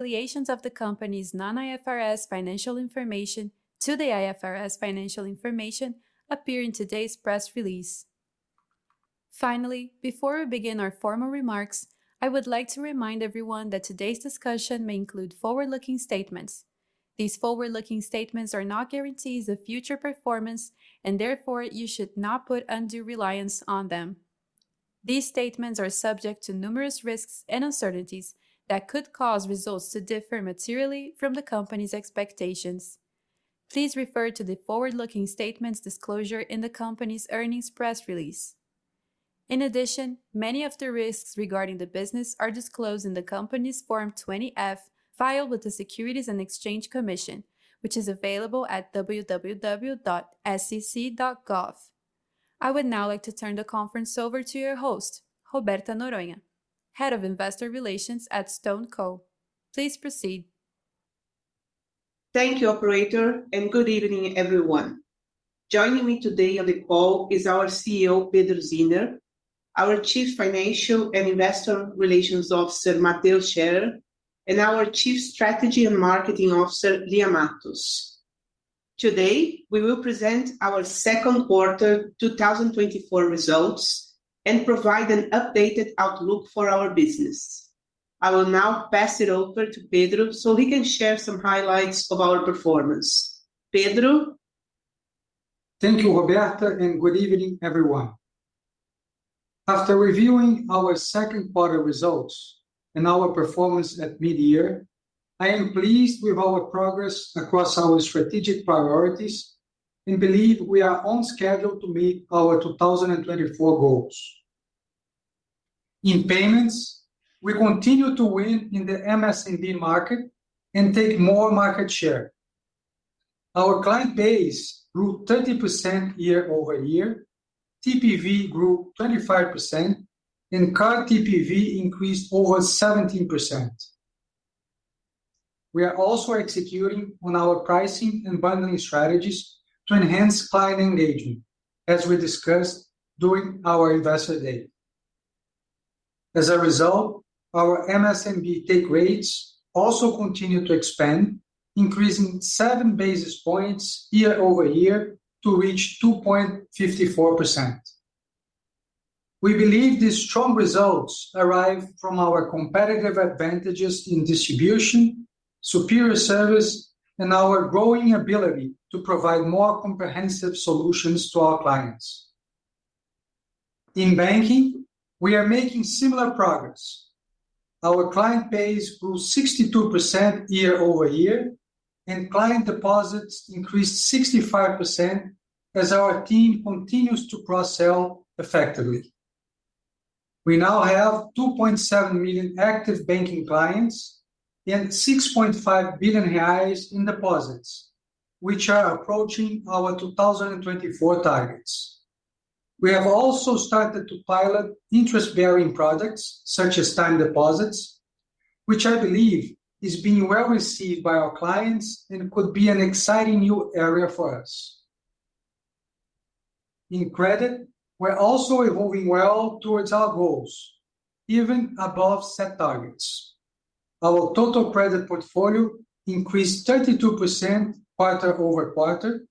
...Reconciliations of the company's non-IFRS financial information to the IFRS financial information appear in today's press release. Finally, before we begin our formal remarks, I would like to remind everyone that today's discussion may include forward-looking statements. These forward-looking statements are not guarantees of future performance, and therefore, you should not put undue reliance on them. These statements are subject to numerous risks and uncertainties that could cause results to differ materially from the company's expectations. Please refer to the forward-looking statements disclosure in the company's earnings press release. In addition, many of the risks regarding the business are disclosed in the company's Form 20-F filed with the Securities and Exchange Commission, which is available at www.sec.gov. I would now like to turn the conference over to your host, Roberta Noronha, Head of Investor Relations at StoneCo. Please proceed. Thank you, operator, and good evening, everyone. Joining me today on the call is our CEO, Pedro Zinner, our Chief Financial and Investor Relations Officer, Mateus Scherer, and our Chief Strategy and Marketing Officer, Lia Matos. Today, we will present our second quarter 2024 results and provide an updated outlook for our business. I will now pass it over to Pedro, so he can share some highlights of our performance. Pedro? Thank you, Roberta, and good evening, everyone. After reviewing our second quarter results and our performance at mid-year, I am pleased with our progress across our strategic priorities and believe we are on schedule to meet our 2024 goals. In payments, we continue to win in the MSMB market and take more market share. Our client base grew 30% year-over-year, TPV grew 25%, and card TPV increased over 17%. We are also executing on our pricing and bundling strategies to enhance client engagement, as we discussed during our Investor Day. As a result, our MSMB take rates also continue to expand, increasing 7 basis points year-over-year to reach 2.54%. We believe these strong results arrive from our competitive advantages in distribution, superior service, and our growing ability to provide more comprehensive solutions to our clients. In banking, we are making similar progress. Our client base grew 62% year-over-year, and client deposits increased 65% as our team continues to cross-sell effectively. We now have 2.7 million active banking clients and 6.5 billion reais in deposits, which are approaching our 2024 targets. We have also started to pilot interest-bearing products, such as time deposits, which I believe is being well-received by our clients and could be an exciting new area for us. In credit, we're also evolving well towards our goals, even above set targets. Our total credit portfolio increased 32% quarter-over-quarter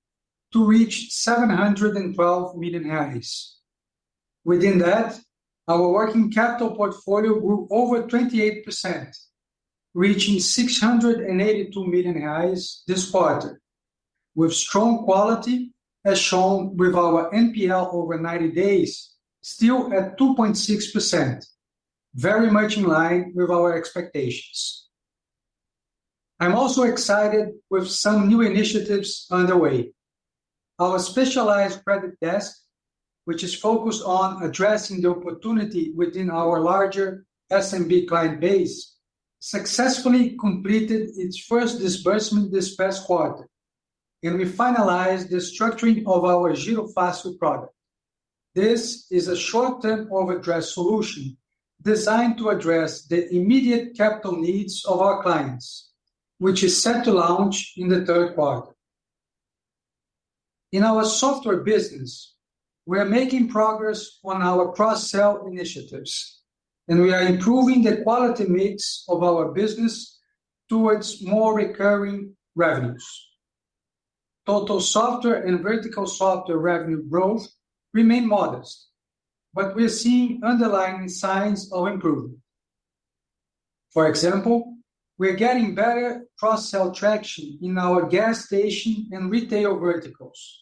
to reach 712 million reais. Within that, our working capital portfolio grew over 28%, reaching 682 million reais this quarter, with strong quality, as shown with our NPL over 90 days, still at 2.6%, very much in line with our expectations. I'm also excited with some new initiatives underway. Our specialized credit desk, which is focused on addressing the opportunity within our larger SMB client base, successfully completed its first disbursement this past quarter, and we finalized the structuring of our Giro Fácil product. This is a short-term overdraft solution designed to address the immediate capital needs of our clients, which is set to launch in the third quarter. In our software business, we are making progress on our cross-sell initiatives, and we are improving the quality mix of our business towards more recurring revenues. Total software and vertical software revenue growth remain modest, but we're seeing underlying signs of improvement. For example, we are getting better cross-sell traction in our gas station and retail verticals,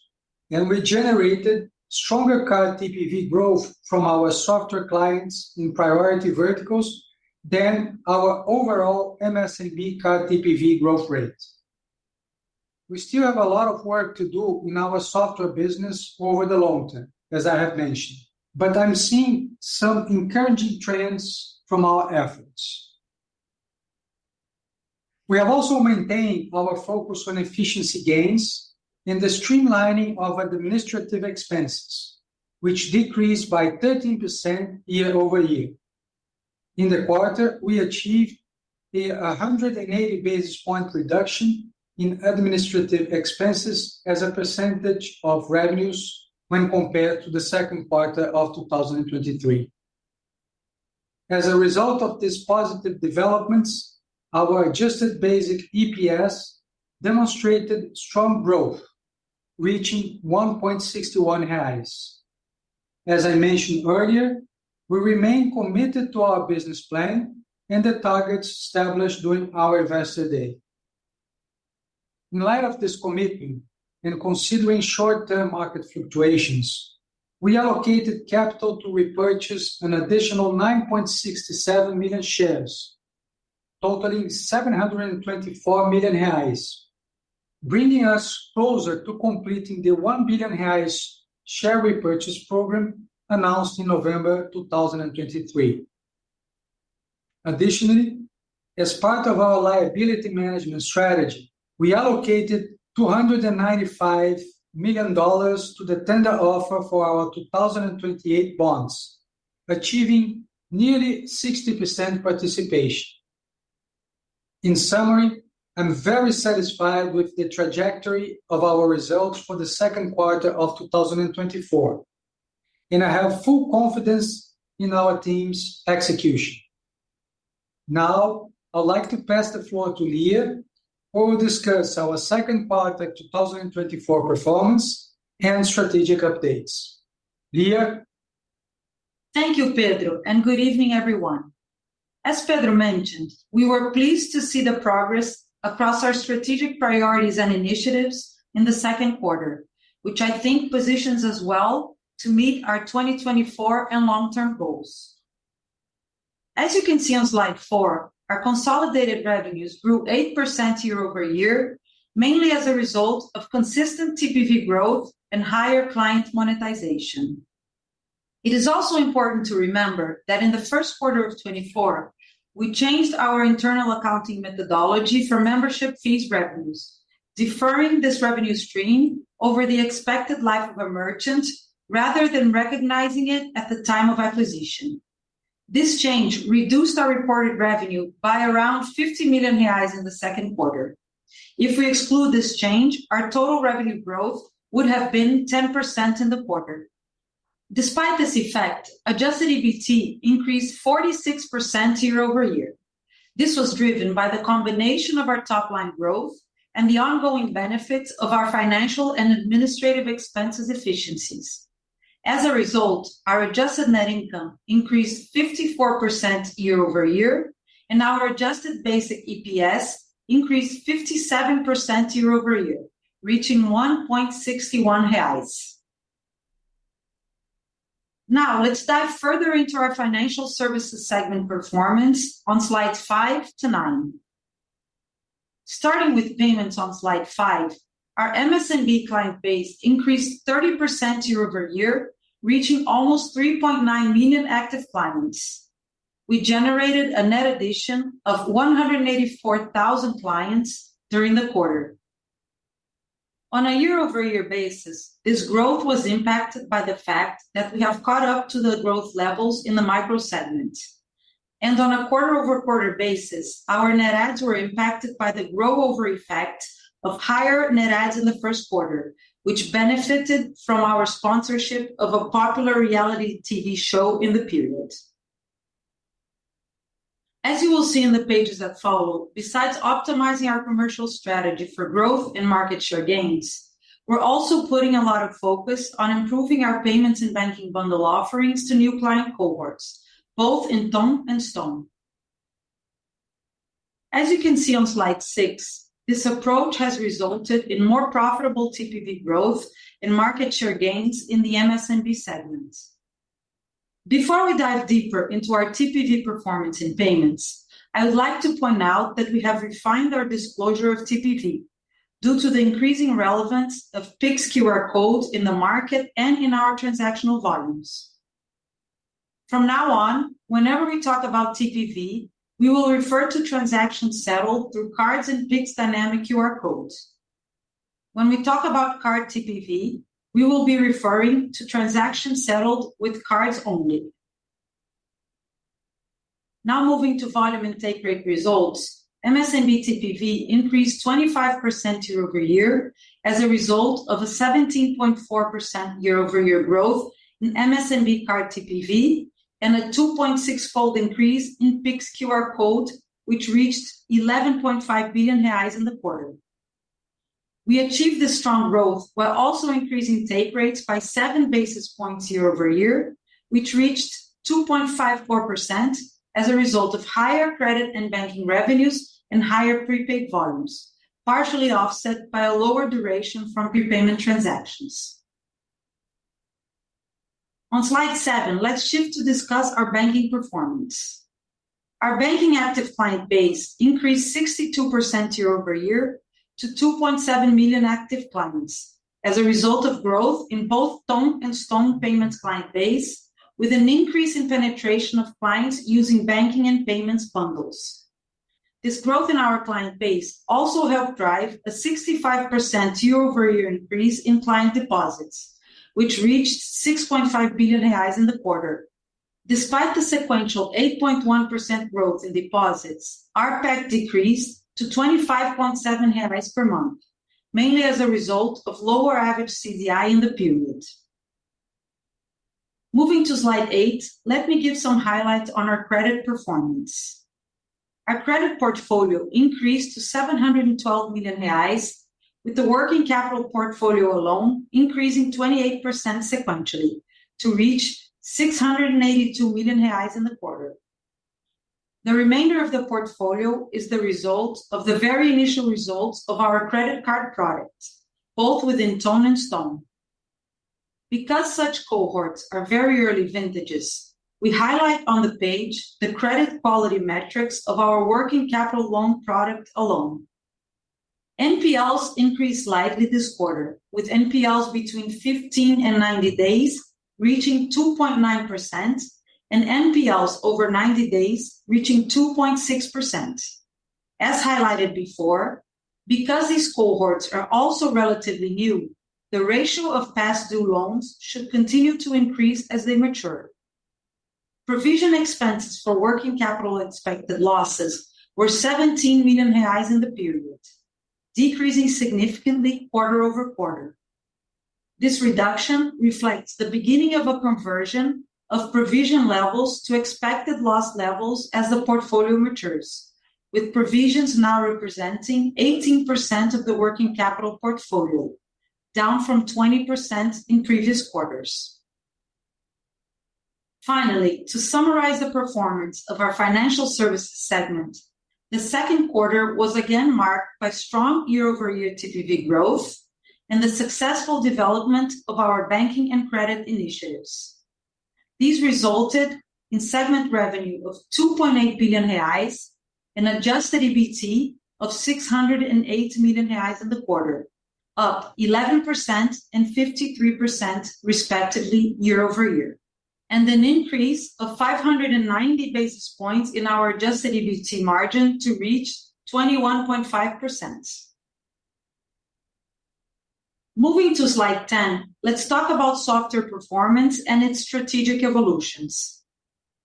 and we generated stronger card TPV growth from our software clients in priority verticals than our overall MSMB card TPV growth rates. We still have a lot of work to do in our software business over the long term, as I have mentioned, but I'm seeing some encouraging trends from our efforts. We have also maintained our focus on efficiency gains and the streamlining of administrative expenses, which decreased by 13% year-over-year. In the quarter, we achieved a 180 basis point reduction in administrative expenses as a percentage of revenues when compared to the second quarter of 2023. As a result of these positive developments, our Adjusted Basic EPS demonstrated strong growth, reaching 1.61. As I mentioned earlier, we remain committed to our business plan and the targets established during our Investor Day. In light of this commitment, and considering short-term market fluctuations, we allocated capital to repurchase an additional 9.67 million shares, totaling 724 million reais, bringing us closer to completing the 1 billion reais share repurchase program announced in November 2023. Additionally, as part of our liability management strategy, we allocated $295 million to the tender offer for our 2028 bonds, achieving nearly 60% participation. In summary, I'm very satisfied with the trajectory of our results for the second quarter of 2024, and I have full confidence in our team's execution. Now, I'd like to pass the floor to Lia, who will discuss our second quarter 2024 performance and strategic updates. Lia? Thank you, Pedro, and good evening, everyone. As Pedro mentioned, we were pleased to see the progress across our strategic priorities and initiatives in the second quarter, which I think positions us well to meet our 2024 and long-term goals. As you can see on slide four, our consolidated revenues grew 8% year-over-year, mainly as a result of consistent TPV growth and higher client monetization. It is also important to remember that in the first quarter of 2024, we changed our internal accounting methodology for membership fees revenues, deferring this revenue stream over the expected life of a merchant, rather than recognizing it at the time of acquisition. This change reduced our reported revenue by around 50 million reais in the second quarter. If we exclude this change, our total revenue growth would have been 10% in the quarter. Despite this effect, adjusted EBT increased 46% year-over-year. This was driven by the combination of our top-line growth and the ongoing benefits of our financial and administrative expenses efficiencies. As a result, our adjusted net income increased 54% year-over-year, and our adjusted basic EPS increased 57% year-over-year, reaching 1.61. Now, let's dive further into our financial services segment performance on slides five to nine. Starting with payments on slide five, our MSMB client base increased 30% year-over-year, reaching almost 3.9 million active clients. We generated a net addition of 184,000 clients during the quarter. On a year-over-year basis, this growth was impacted by the fact that we have caught up to the growth levels in the micro segment. On a quarter-over-quarter basis, our net adds were impacted by the grow-over effect of higher net adds in the first quarter, which benefited from our sponsorship of a popular reality TV show in the period. As you will see in the pages that follow, besides optimizing our commercial strategy for growth and market share gains, we're also putting a lot of focus on improving our payments and banking bundle offerings to new client cohorts, both in Ton and Stone. As you can see on slide six, this approach has resulted in more profitable TPV growth and market share gains in the MSMB segment. Before we dive deeper into our TPV performance and payments, I would like to point out that we have refined our disclosure of TPV due to the increasing relevance of PIX QR codes in the market and in our transactional volumes. From now on, whenever we talk about TPV, we will refer to transactions settled through cards and PIX Dynamic QR codes. When we talk about card TPV, we will be referring to transactions settled with cards only. Now, moving to volume and take rate results, MSMB TPV increased 25% year-over-year as a result of a 17.4% year-over-year growth in MSMB card TPV and a 2.6-fold increase in PIX QR code, which reached 11.5 billion reais in the quarter. We achieved this strong growth while also increasing take rates by seven basis points year-over-year, which reached 2.54% as a result of higher credit and banking revenues and higher prepaid volumes, partially offset by a lower duration from prepayment transactions. On slide 7, let's shift to discuss our banking performance. Our banking active client base increased 62% year-over-year to 2.7 million active clients as a result of growth in both Ton and Stone payments client base, with an increase in penetration of clients using banking and payments bundles. This growth in our client base also helped drive a 65% year-over-year increase in client deposits, which reached 6.5 billion reais in the quarter. Despite the sequential 8.1% growth in deposits, ARPAC decreased to 25.7 per month... mainly as a result of lower average CDI in the period. Moving to slide eight, let me give some highlights on our credit performance. Our credit portfolio increased to 712 million reais, with the working capital portfolio alone increasing 28% sequentially to reach 682 million reais in the quarter. The remainder of the portfolio is the result of the very initial results of our credit card product, both within Ton and Stone. Because such cohorts are very early vintages, we highlight on the page the credit quality metrics of our working capital loan product alone. NPLs increased slightly this quarter, with NPLs between 15 and 90 days reaching 2.9%, and NPLs over 90 days reaching 2.6%. As highlighted before, because these cohorts are also relatively new, the ratio of past due loans should continue to increase as they mature. Provision expenses for working capital expected losses were 17 million reais in the period, decreasing significantly quarter-over-quarter. This reduction reflects the beginning of a conversion of provision levels to expected loss levels as the portfolio matures, with provisions now representing 18% of the working capital portfolio, down from 20% in previous quarters. Finally, to summarize the performance of our financial services segment, the second quarter was again marked by strong year-over-year TPV growth and the successful development of our banking and credit initiatives. These resulted in segment revenue of 2.8 billion reais and adjusted EBT of 608 million reais in the quarter, up 11% and 53% respectively year-over-year, and an increase of 590 basis points in our adjusted EBT margin to reach 21.5%. Moving to slide 10, let's talk about software performance and its strategic evolutions.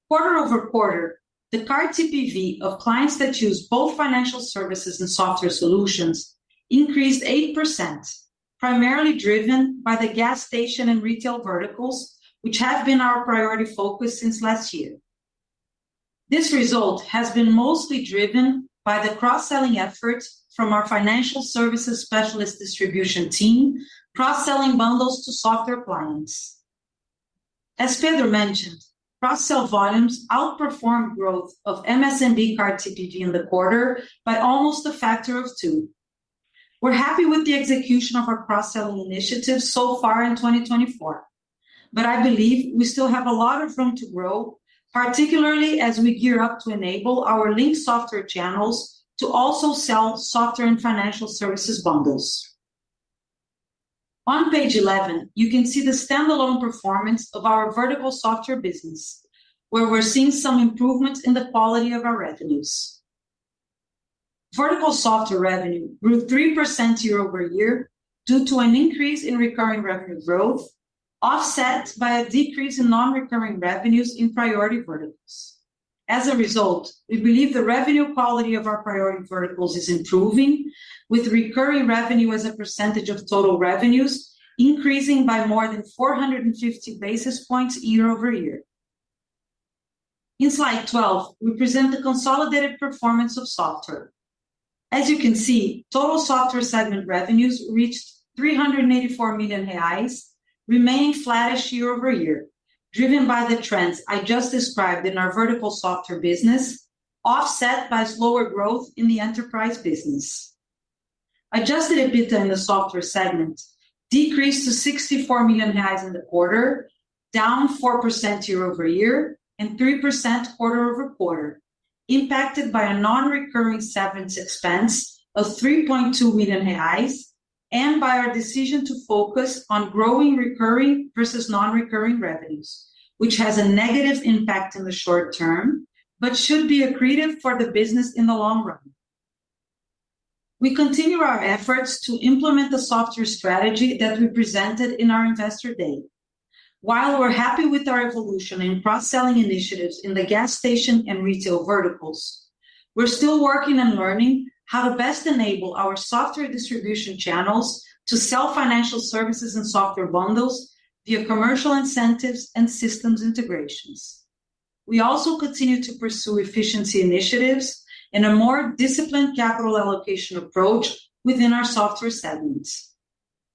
Quarter over quarter, the card TPV of clients that use both financial services and software solutions increased 8%, primarily driven by the gas station and retail verticals, which have been our priority focus since last year. This result has been mostly driven by the cross-selling efforts from our financial services specialist distribution team, cross-selling bundles to software clients. As Pedro mentioned, cross-sell volumes outperformed growth of MSMB card TPV in the quarter by almost a factor of two. We're happy with the execution of our cross-selling initiatives so far in 2024, but I believe we still have a lot of room to grow, particularly as we gear up to enable our Linx software channels to also sell software and financial services bundles. On page 11, you can see the standalone performance of our vertical software business, where we're seeing some improvements in the quality of our revenues. Vertical software revenue grew 3% year-over-year due to an increase in recurring revenue growth, offset by a decrease in non-recurring revenues in priority verticals. As a result, we believe the revenue quality of our priority verticals is improving, with recurring revenue as a percentage of total revenues increasing by more than 450 basis points year-over-year. In slide 12, we present the consolidated performance of software. As you can see, total software segment revenues reached 384 million reais, remaining flat-ish year-over-year, driven by the trends I just described in our vertical software business, offset by slower growth in the enterprise business. Adjusted EBITDA in the software segment decreased to 64 million in the quarter, down 4% year-over-year and 3% quarter-over-quarter, impacted by a non-recurring severance expense of 3.2 million reais, and by our decision to focus on growing recurring versus non-recurring revenues, which has a negative impact in the short term but should be accretive for the business in the long run. We continue our efforts to implement the software strategy that we presented in our Investor Day. While we're happy with our evolution in cross-selling initiatives in the gas station and retail verticals, we're still working and learning how to best enable our software distribution channels to sell financial services and software bundles via commercial incentives and systems integrations. We also continue to pursue efficiency initiatives and a more disciplined capital allocation approach within our software segments.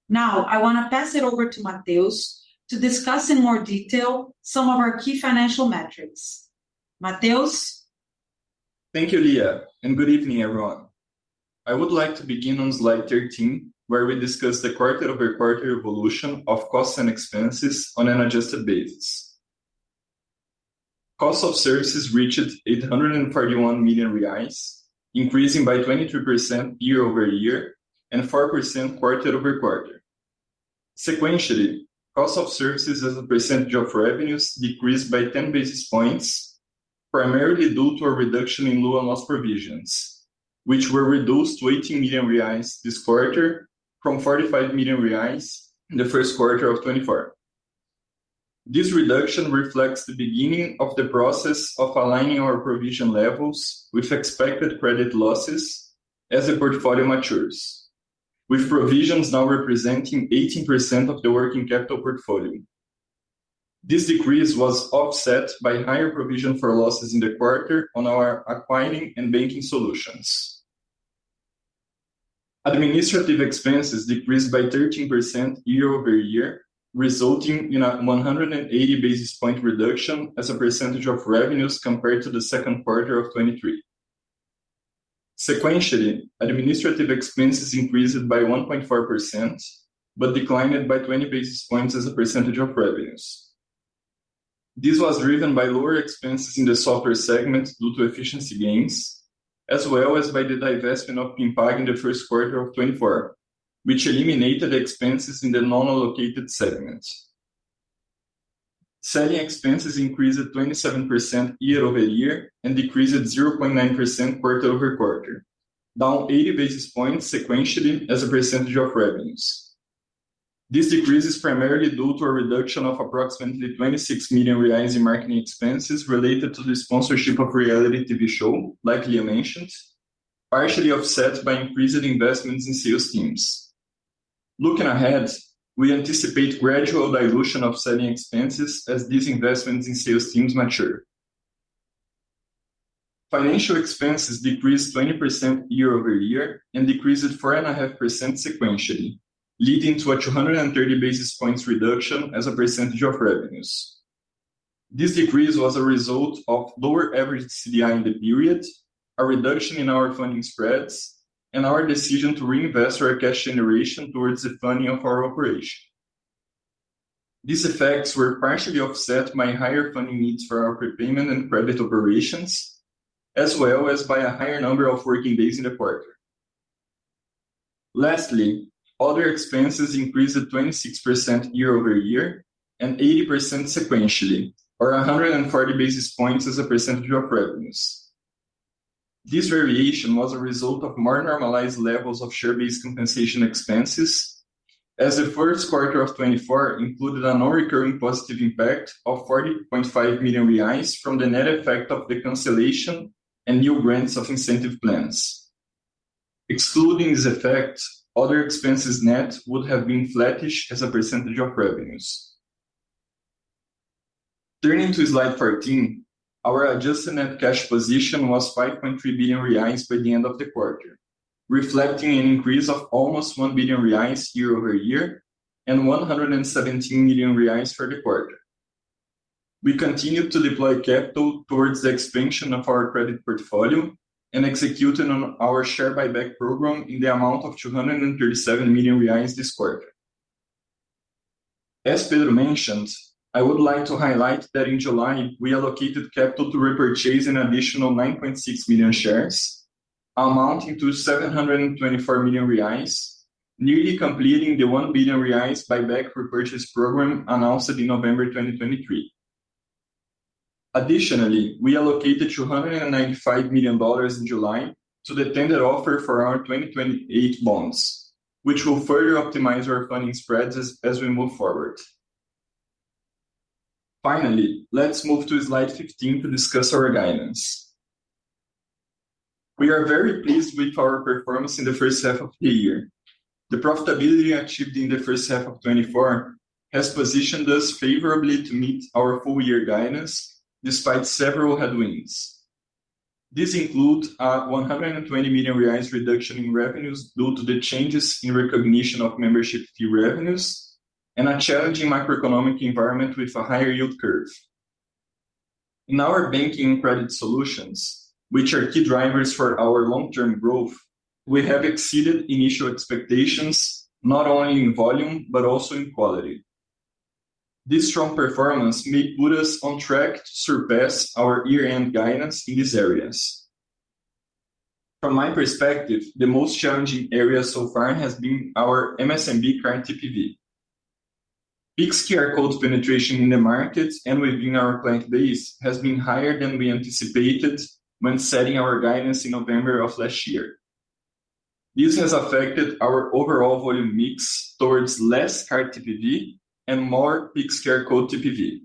Now, I want to pass it over to Mateus to discuss in more detail some of our key financial metrics. Mateus? Thank you, Lia, and good evening, everyone. I would like to begin on slide 13, where we discuss the quarter-over-quarter evolution of costs and expenses on an adjusted basis. Cost of services reached 831 million reais, increasing by 23% year-over-year and 4% quarter-over-quarter. Sequentially, cost of services as a percentage of revenues decreased by 10 basis points, primarily due to a reduction in loan loss provisions, which were reduced to 80 million reais this quarter from 45 million reais in the first quarter of 2024. This reduction reflects the beginning of the process of aligning our provision levels with expected credit losses as the portfolio matures, with provisions now representing 18% of the working capital portfolio. This decrease was offset by higher provision for losses in the quarter on our acquiring and banking solutions. Administrative expenses decreased by 13% year-over-year, resulting in a 180 basis point reduction as a percentage of revenues compared to the second quarter of 2023. Sequentially, administrative expenses increased by 1.4%, but declined by 20 basis points as a percentage of revenues. This was driven by lower expenses in the software segment due to efficiency gains, as well as by the divestment of PinPag in the first quarter of 2024, which eliminated expenses in the non-allocated segment. Selling expenses increased 27% year-over-year and decreased 0.9% quarter-over-quarter, down 80 basis points sequentially as a percentage of revenues. This decrease is primarily due to a reduction of approximately 26 million reais in marketing expenses related to the sponsorship of reality TV show, like Lia mentioned, partially offset by increased investments in sales teams. Looking ahead, we anticipate gradual dilution of selling expenses as these investments in sales teams mature. Financial expenses decreased 20% year-over-year and decreased 4.5% sequentially, leading to a 230 basis points reduction as a percentage of revenues. This decrease was a result of lower average CDI in the period, a reduction in our funding spreads, and our decision to reinvest our cash generation towards the funding of our operation. These effects were partially offset by higher funding needs for our prepayment and credit operations, as well as by a higher number of working days in the quarter. Lastly, other expenses increased 26% year-over-year and 80% sequentially, or a 140 basis points as a percentage of revenues. This variation was a result of more normalized levels of share-based compensation expenses, as the first quarter of 2024 included a non-recurring positive impact of 40.5 million reais from the net effect of the cancellation and new grants of incentive plans. Excluding this effect, other expenses net would have been flattish as a percentage of revenues. Turning to slide 13, our adjusted net cash position was 5.3 billion reais by the end of the quarter, reflecting an increase of almost 1 billion reais year-over-year and 117 million reais for the quarter. We continued to deploy capital towards the expansion of our credit portfolio and executed on our share buyback program in the amount of 237 million reais this quarter. As Pedro mentioned, I would like to highlight that in July, we allocated capital to repurchase an additional 9.6 million shares, amounting to 724 million reais, nearly completing the 1 billion reais buyback repurchase program announced in November 2023. Additionally, we allocated $295 million in July to the tender offer for our 2028 bonds, which will further optimize our funding spreads as we move forward. Finally, let's move to slide 15 to discuss our guidance. We are very pleased with our performance in the first half of the year. The profitability achieved in the first half of 2024 has positioned us favorably to meet our full year guidance, despite several headwinds. This includes a 120 million reais reduction in revenues due to the changes in recognition of membership fee revenues and a challenging macroeconomic environment with a higher yield curve. In our banking credit solutions, which are key drivers for our long-term growth, we have exceeded initial expectations, not only in volume, but also in quality. This strong performance may put us on track to surpass our year-end guidance in these areas. From my perspective, the most challenging area so far has been our MSMB card TPV. PIX QR Code penetration in the market and within our client base has been higher than we anticipated when setting our guidance in November of last year. This has affected our overall volume mix towards less card TPV and more PIX QR Code TPV.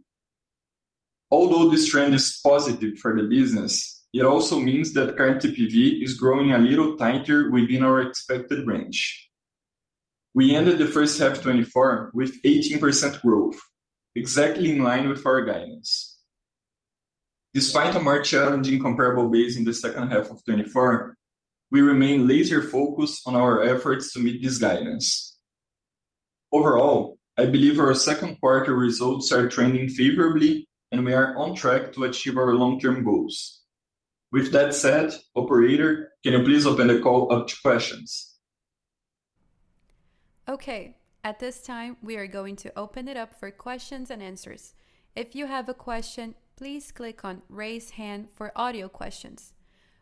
Although this trend is positive for the business, it also means that card TPV is growing a little tighter within our expected range. We ended the first half of 2024 with 18% growth, exactly in line with our guidance. Despite a more challenging comparable base in the second half of 2024, we remain laser focused on our efforts to meet this guidance. Overall, I believe our second quarter results are trending favorably, and we are on track to achieve our long-term goals. With that said, operator, can you please open the call up to questions? Okay, at this time, we are going to open it up for questions and answers. If you have a question, please click on Raise Hand for audio questions.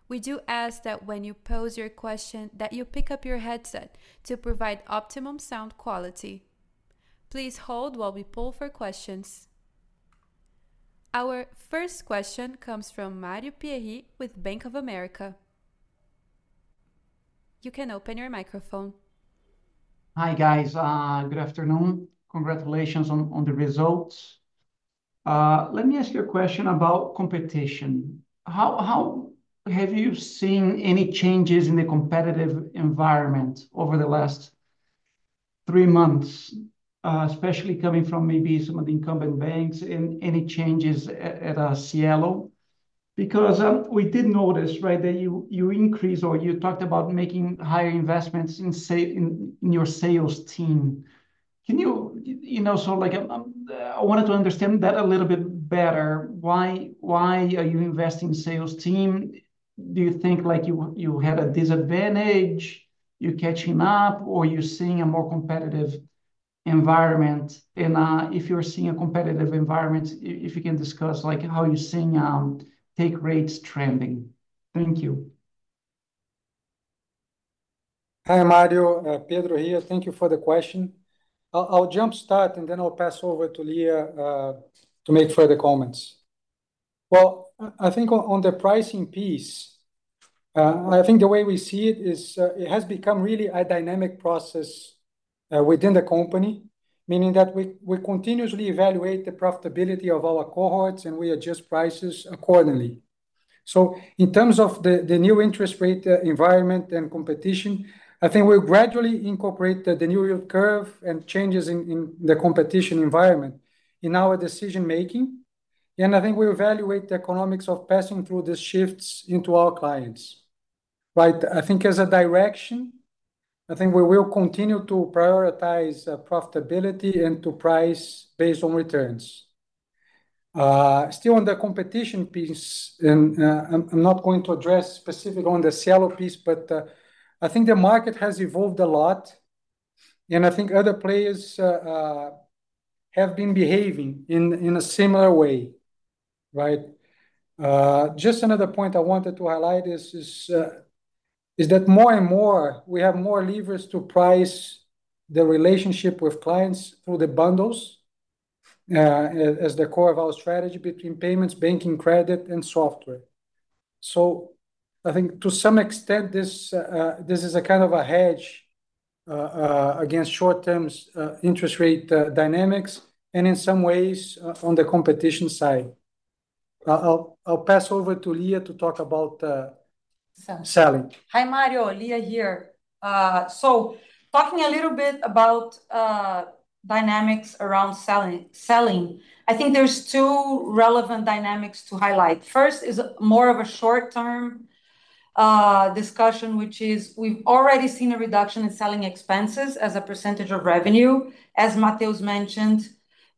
We do ask that when you pose your question, that you pick up your headset to provide optimum sound quality. Please hold while we poll for questions. Our first question comes from Mario Pierry with Bank of America.... You can open your microphone. Hi, guys. Good afternoon. Congratulations on the results. Let me ask you a question about competition. How have you seen any changes in the competitive environment over the last three months, especially coming from maybe some of the incumbent banks, and any changes at Cielo? Because we did notice, right, that you increased or you talked about making higher investments in your sales team. Can you? You know, so like, I wanted to understand that a little bit better. Why are you investing in sales team? Do you think like you had a disadvantage, you're catching up, or you're seeing a more competitive environment? And if you're seeing a competitive environment, if you can discuss, like, how you're seeing take rates trending. Thank you. Hi, Mario. Pedro here. Thank you for the question. I'll jump start, and then I'll pass over to Lia to make further comments. Well, I think on the pricing piece, I think the way we see it is, it has become really a dynamic process within the company, meaning that we continuously evaluate the profitability of our cohorts and we adjust prices accordingly. So in terms of the new interest rate environment and competition, I think we'll gradually incorporate the new yield curve and changes in the competition environment in our decision-making. And I think we evaluate the economics of passing through the shifts into our clients, right? I think as a direction, I think we will continue to prioritize profitability and to price based on returns. Still on the competition piece, and I'm not going to address specific on the Cielo piece, but I think the market has evolved a lot, and I think other players have been behaving in a similar way, right? Just another point I wanted to highlight is that more and more, we have more levers to price the relationship with clients through the bundles, as the core of our strategy between payments, banking, credit, and software. So I think to some extent, this is a kind of a hedge against short-term interest rate dynamics, and in some ways on the competition side. I'll pass over to Lia to talk about, Selling... selling. Hi, Mario. Lia here. So talking a little bit about dynamics around selling, I think there's two relevant dynamics to highlight. First is more of a short-term discussion, which is we've already seen a reduction in selling expenses as a percentage of revenue, as Mateus mentioned,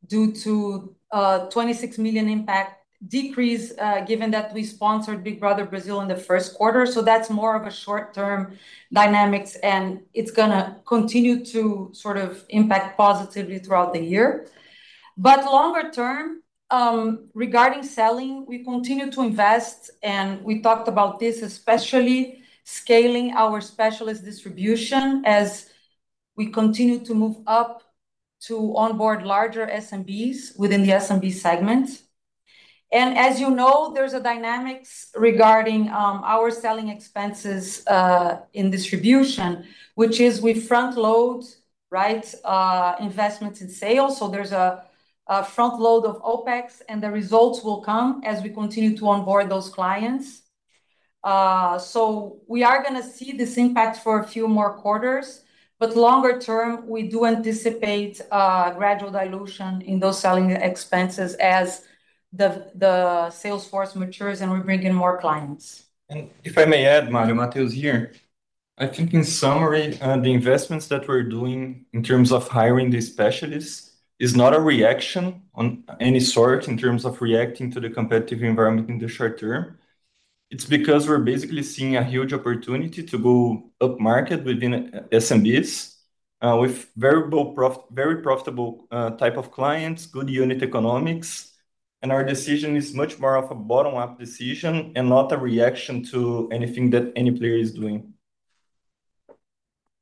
due to a 26 million impact decrease, given that we sponsored Big Brother Brazil in the first quarter. So that's more of a short-term dynamics, and it's gonna continue to sort of impact positively throughout the year. But longer term, regarding selling, we continue to invest, and we talked about this, especially scaling our specialist distribution as we continue to move up to onboard larger SMBs within the SMB segment. And as you know, there's a dynamics regarding our selling expenses in distribution, which is we front-load, right, investments in sales. So there's a front load of OpEx, and the results will come as we continue to onboard those clients. So we are gonna see this impact for a few more quarters, but longer term, we do anticipate gradual dilution in those selling expenses as the sales force matures and we bring in more clients. If I may add, Mario, Mateus here. I think in summary, the investments that we're doing in terms of hiring the specialists is not a reaction on any sort in terms of reacting to the competitive environment in the short term. It's because we're basically seeing a huge opportunity to go upmarket within SMBs with very profitable type of clients, good unit economics, and our decision is much more of a bottom-up decision and not a reaction to anything that any player is doing.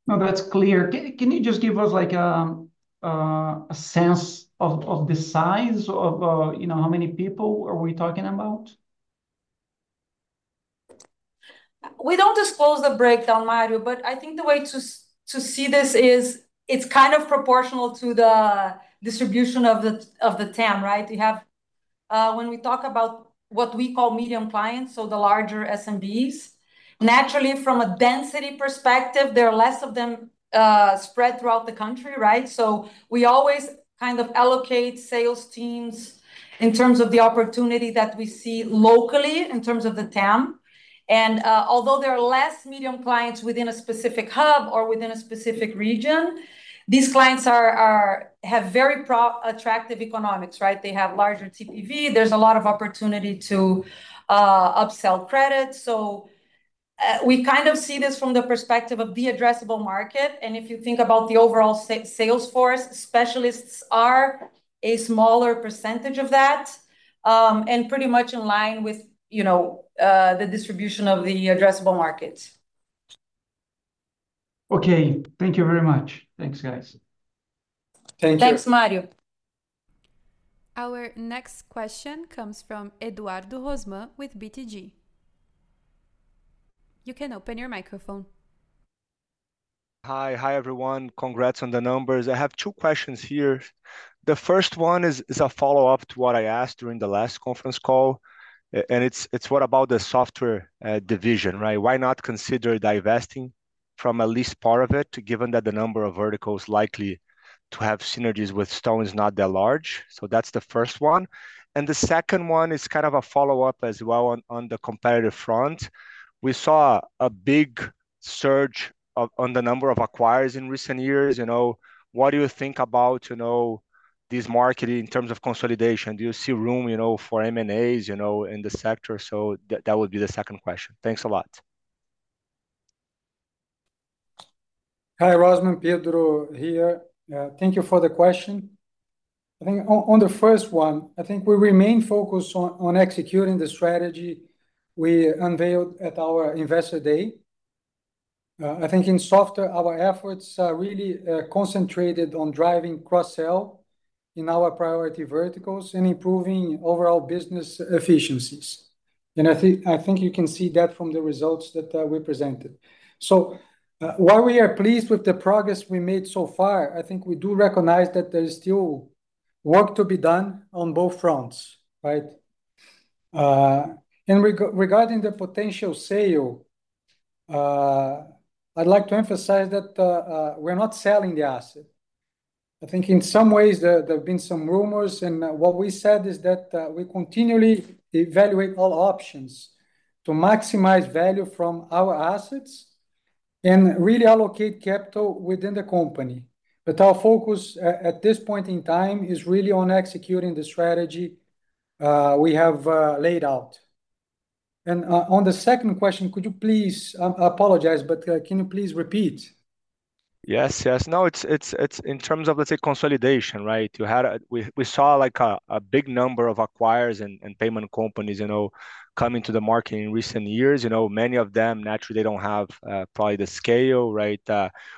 No, that's clear. Can you just give us, like, a sense of the size of, you know, how many people are we talking about? We don't disclose the breakdown, Mario, but I think the way to see this is it's kind of proportional to the distribution of the TAM, right? We have, when we talk about what we call medium clients, so the larger SMBs, naturally, from a density perspective, there are less of them spread throughout the country, right? So we always kind of allocate sales teams in terms of the opportunity that we see locally, in terms of the TAM. And, although there are less medium clients within a specific hub or within a specific region, these clients have very attractive economics, right? They have larger TPV. There's a lot of opportunity to upsell credit. So, we kind of see this from the perspective of the addressable market, and if you think about the overall sales force, specialists are a smaller percentage of that, and pretty much in line with, you know, the distribution of the addressable market. Okay. Thank you very much. Thanks, guys. Thank you. Thanks, Mario.... Our next question comes from Eduardo Rosman with BTG. You can open your microphone. Hi. Hi, everyone. Congrats on the numbers. I have two questions here. The first one is a follow-up to what I asked during the last conference call, and it's what about the software division, right? So that's the first one. And the second one is kind of a follow-up as well on the competitive front. We saw a big surge in the number of acquirers in recent years, you know. What do you think about this market in terms of consolidation? Do you see room for M&As in the sector? So that would be the second question. Thanks a lot. Hi, Rosman, Pedro here. Thank you for the question. I think on the first one, I think we remain focused on executing the strategy we unveiled at our Investor Day. I think in software, our efforts are really concentrated on driving cross-sell in our priority verticals and improving overall business efficiencies, and I think you can see that from the results that we presented. So, while we are pleased with the progress we made so far, I think we do recognize that there is still work to be done on both fronts, right? And regarding the potential sale, I'd like to emphasize that we're not selling the asset. I think in some ways there, there have been some rumors, and what we said is that we continually evaluate all options to maximize value from our assets and really allocate capital within the company. But our focus at this point in time is really on executing the strategy we have laid out. On the second question, could you please... I, I apologize, but can you please repeat? Yes, yes. No, it's in terms of, let's say, consolidation, right? We saw, like, a big number of acquirers and payment companies, you know, come into the market in recent years. You know, many of them, naturally, they don't have probably the scale, right?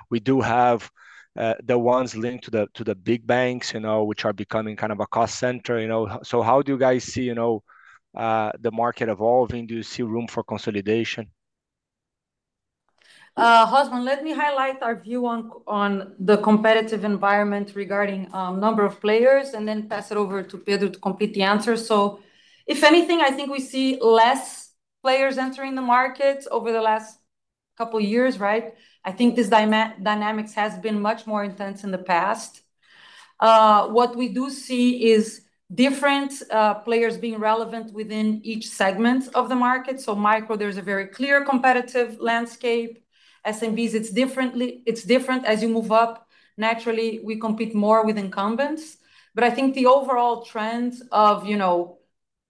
We do have the ones linked to the big banks, you know, which are becoming kind of a cost center, you know. So how do you guys see, you know, the market evolving? Do you see room for consolidation? Rosman, let me highlight our view on, on the competitive environment regarding number of players, and then pass it over to Pedro to complete the answer. So if anything, I think we see less players entering the market over the last couple of years, right? I think this dynamics has been much more intense in the past. What we do see is different players being relevant within each segment of the market. So micro, there's a very clear competitive landscape. SMBs, it's differently, it's different as you move up. Naturally, we compete more with incumbents. But I think the overall trend of, you know,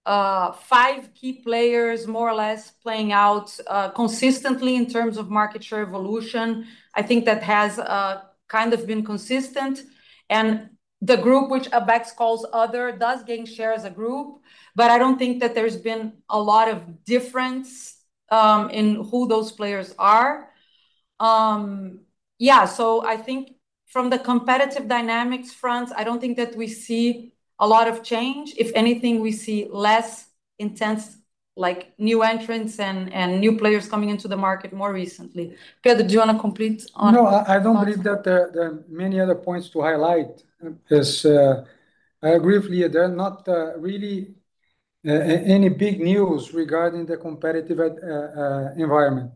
five key players, more or less, playing out consistently in terms of market share evolution, I think that has kind of been consistent. The group, which ABECS calls other, does gain share as a group, but I don't think that there's been a lot of difference in who those players are. Yeah, so I think from the competitive dynamics front, I don't think that we see a lot of change. If anything, we see less intense, like, new entrants and new players coming into the market more recently. Pedro, do you want to complete on- No, I don't believe that there are many other points to highlight. As I agree with Lia, there are not really any big news regarding the competitive environment.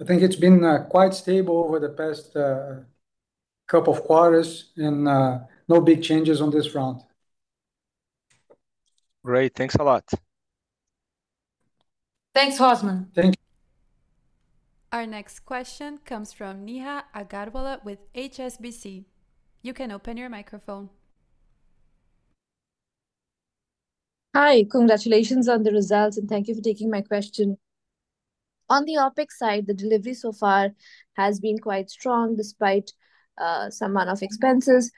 I think it's been quite stable over the past couple of quarters and no big changes on this front. Great, thanks a lot. Thanks, Rosman. Thank you. Our next question comes from Neha Agarwala with HSBC. You can open your microphone. Hi. Congratulations on the results, and thank you for taking my question. On the OpEx side, the delivery so far has been quite strong, despite, some amount of expenses.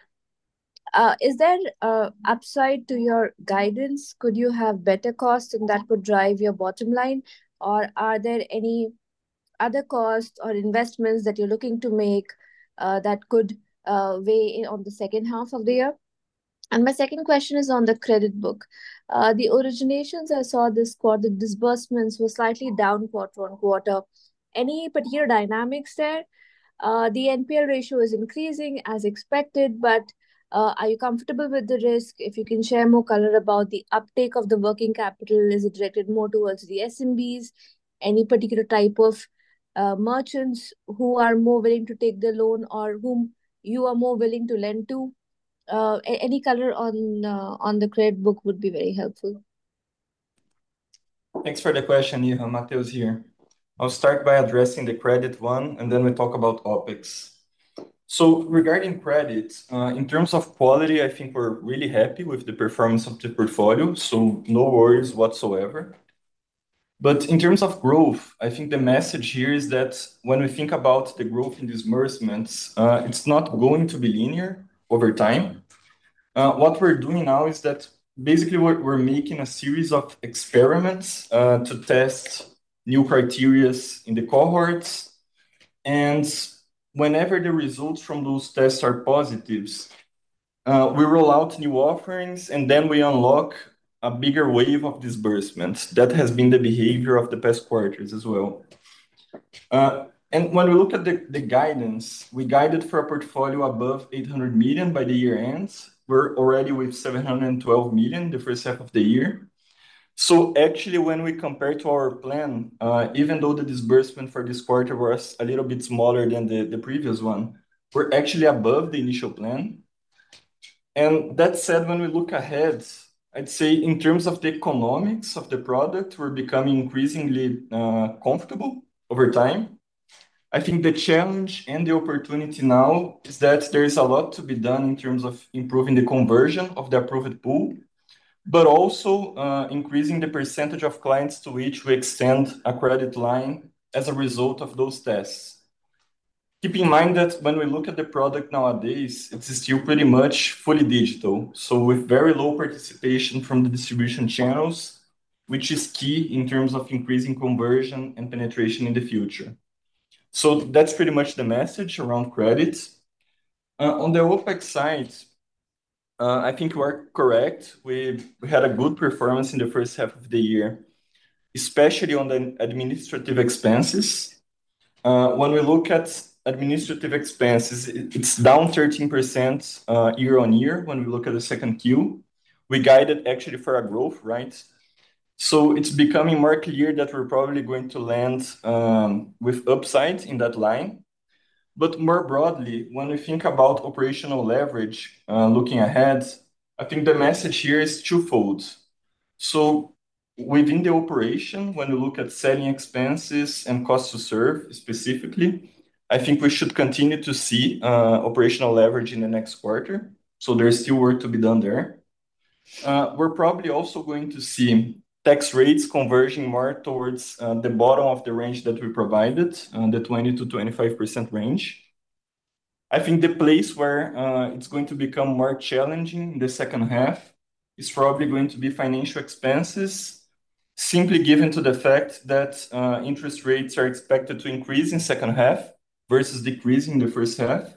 Is there a upside to your guidance? Could you have better costs, and that could drive your bottom line, or are there any other costs or investments that you're looking to make, that could, weigh in on the second half of the year? And my second question is on the credit book. The originations I saw this quarter, disbursements were slightly down quarter on quarter. Any particular dynamics there? The NPR ratio is increasing as expected, but, are you comfortable with the risk? If you can share more color about the uptake of the working capital, is it directed more towards the SMBs? Any particular type of merchants who are more willing to take the loan, or whom you are more willing to lend to? Any color on the credit book would be very helpful. Thanks for the question, Neha. Mateus here. I'll start by addressing the credit one, and then we talk about OpEx. So regarding credit, in terms of quality, I think we're really happy with the performance of the portfolio, so no worries whatsoever. But in terms of growth, I think the message here is that when we think about the growth in disbursements, it's not going to be linear over time. What we're doing now is that basically we're making a series of experiments to test new criteria in the cohorts... and whenever the results from those tests are positive, we roll out new offerings, and then we unlock a bigger wave of disbursements. That has been the behavior of the past quarters as well. And when we look at the guidance, we guided for a portfolio above 800 million by the year-ends. We're already with 712 million the first half of the year. So actually, when we compare to our plan, even though the disbursement for this quarter was a little bit smaller than the previous one, we're actually above the initial plan. And that said, when we look ahead, I'd say in terms of the economics of the product, we're becoming increasingly comfortable over time. I think the challenge and the opportunity now is that there is a lot to be done in terms of improving the conversion of the approved pool, but also increasing the percentage of clients to which we extend a credit line as a result of those tests. Keep in mind that when we look at the product nowadays, it's still pretty much fully digital, so with very low participation from the distribution channels, which is key in terms of increasing conversion and penetration in the future. So that's pretty much the message around credit. On the OpEx side, I think we're correct. We've had a good performance in the first half of the year, especially on the administrative expenses. When we look at administrative expenses, it's down 13%, year-on-year, when we look at the second quarter. We guided actually for our growth, right? So it's becoming more clear that we're probably going to land with upside in that line. But more broadly, when we think about operational leverage, looking ahead, I think the message here is twofold. So within the operation, when we look at selling expenses and cost to serve, specifically, I think we should continue to see operational leverage in the next quarter, so there's still work to be done there. We're probably also going to see tax rates converging more towards the bottom of the range that we provided, on the 20%-25% range. I think the place where it's going to become more challenging in the second half is probably going to be financial expenses, simply given to the fact that interest rates are expected to increase in second half versus decrease in the first half.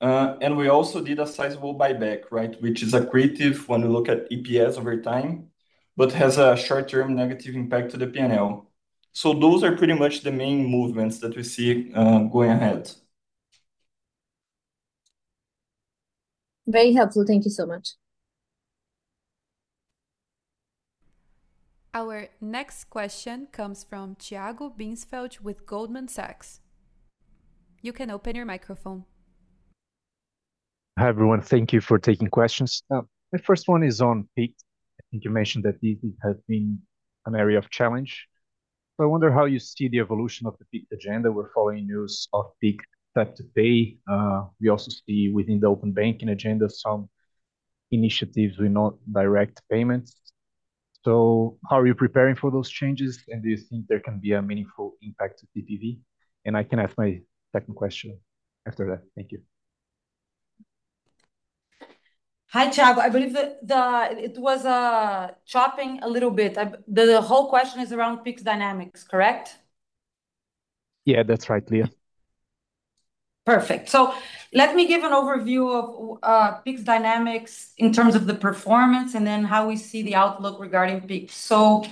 And we also did a sizable buyback, right, which is accretive when we look at EPS over time, but has a short-term negative impact to the P&L. So those are pretty much the main movements that we see, going ahead. Very helpful. Thank you so much. Our next question comes from Tiago Binsfeld with Goldman Sachs. You can open your microphone. Hi, everyone. Thank you for taking questions. My first one is on PIX. I think you mentioned that this has been an area of challenge, but I wonder how you see the evolution of the PIX agenda. We're following news of PIX tap-to-pay. We also see within the open banking agenda, some initiatives with non-direct payments. So how are you preparing for those changes, and do you think there can be a meaningful impact to TPV? And I can ask my second question after that. Thank you. Hi, Thiago. I believe it was chopping a little bit. The whole question is around PIX Dynamics, correct? Yeah, that's right, Lia. Perfect. So let me give an overview of PIX Dynamics in terms of the performance and then how we see the outlook regarding PIX. So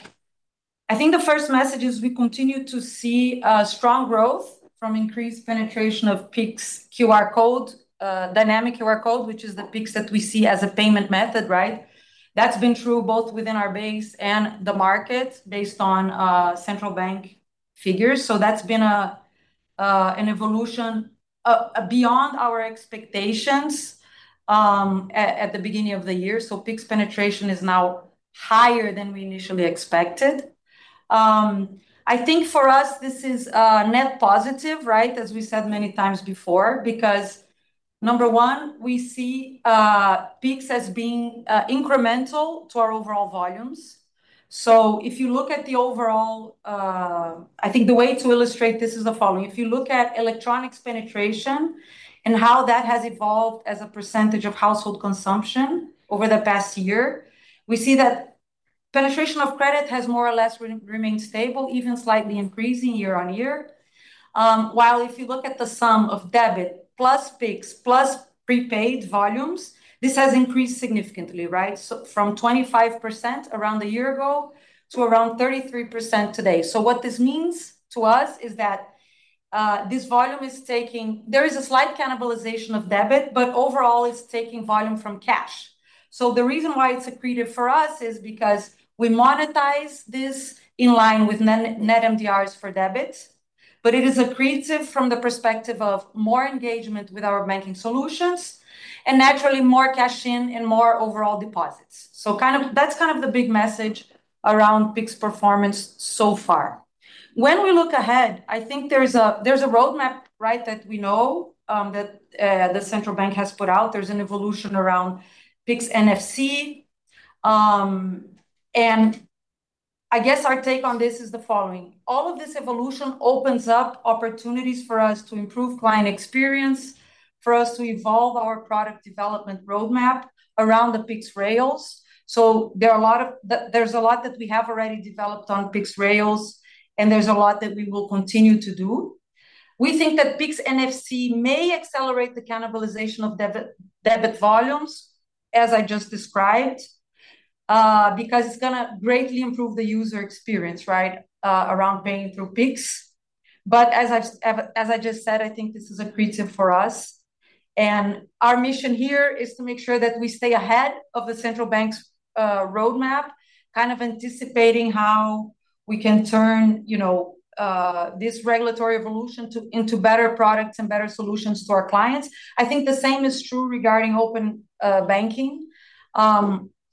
I think the first message is we continue to see strong growth from increased penetration of PIX QR Code, Dynamic QR Code, which is the PIX that we see as a payment method, right? That's been true both within our base and the market, based on central bank figures. So that's been an evolution beyond our expectations at the beginning of the year. So PIX penetration is now higher than we initially expected. I think for us, this is net positive, right, as we said many times before, because number one, we see PIX as being incremental to our overall volumes. So if you look at the overall... I think the way to illustrate this is the following: If you look at electronics penetration and how that has evolved as a percentage of household consumption over the past year, we see that penetration of credit has more or less remained stable, even slightly increasing year-on-year. While if you look at the sum of debit plus PIX plus prepaid volumes, this has increased significantly, right? So from 25% around a year ago to around 33% today. So what this means to us is that, this volume is taking. There is a slight cannibalization of debit, but overall, it's taking volume from cash. So the reason why it's accretive for us is because we monetize this in line with net, net MDRs for debits, but it is accretive from the perspective of more engagement with our banking solutions, and naturally, more cash in and more overall deposits. So kind of. That's kind of the big message around PIX performance so far. When we look ahead, I think there's a roadmap, right, that we know the Central Bank has put out. There's an evolution around PIX NFC. And I guess our take on this is the following: All of this evolution opens up opportunities for us to improve client experience.... for us to evolve our product development roadmap around the PIX Rails. So there are a lot of, there's a lot that we have already developed on PIX Rails, and there's a lot that we will continue to do. We think that PIX NFC may accelerate the cannibalization of debit volumes, as I just described, because it's gonna greatly improve the user experience, right, around paying through PIX. But as I just said, I think this is accretive for us, and our mission here is to make sure that we stay ahead of the central bank's roadmap, kind of anticipating how we can turn, you know, this regulatory evolution into better products and better solutions to our clients. I think the same is true regarding Open Banking.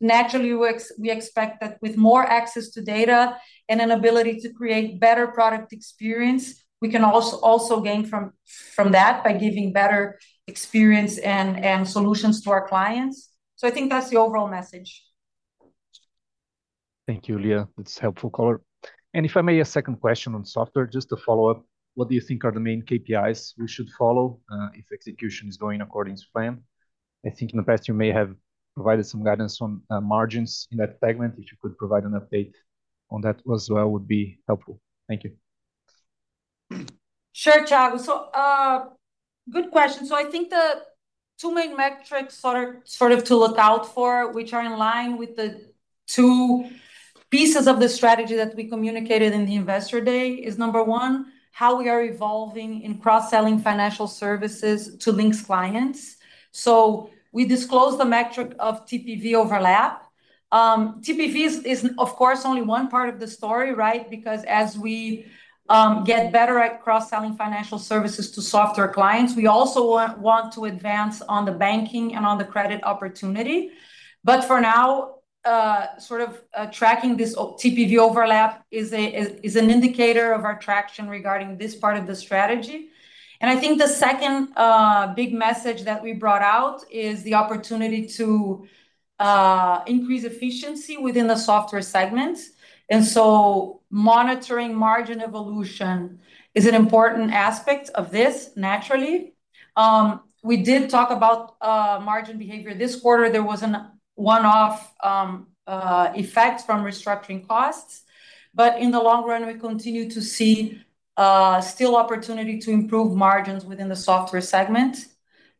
Naturally, we expect that with more access to data and an ability to create better product experience, we can also gain from that by giving better experience and solutions to our clients. So I think that's the overall message. Thank you, Lia. It's a helpful color. And if I may, a second question on software, just to follow up. What do you think are the main KPIs we should follow, if execution is going according to plan? I think in the past you may have provided some guidance on, margins in that segment. If you could provide an update on that as well, would be helpful. Thank you. Sure, Thiago. So, good question. So I think the two main metrics sort of to look out for, which are in line with the two pieces of the strategy that we communicated in the Investor Day, is, number one, how we are evolving in cross-selling financial services to Linx clients. So we disclose the metric of TPV overlap. TPV is, of course, only one part of the story, right? Because as we get better at cross-selling financial services to software clients, we also want to advance on the banking and on the credit opportunity. But for now, sort of, tracking this TPV overlap is an indicator of our traction regarding this part of the strategy. And I think the second big message that we brought out is the opportunity to increase efficiency within the software segments. And so monitoring margin evolution is an important aspect of this, naturally. We did talk about margin behavior. This quarter, there was a one-off effect from restructuring costs, but in the long run, we continue to see still opportunity to improve margins within the software segment.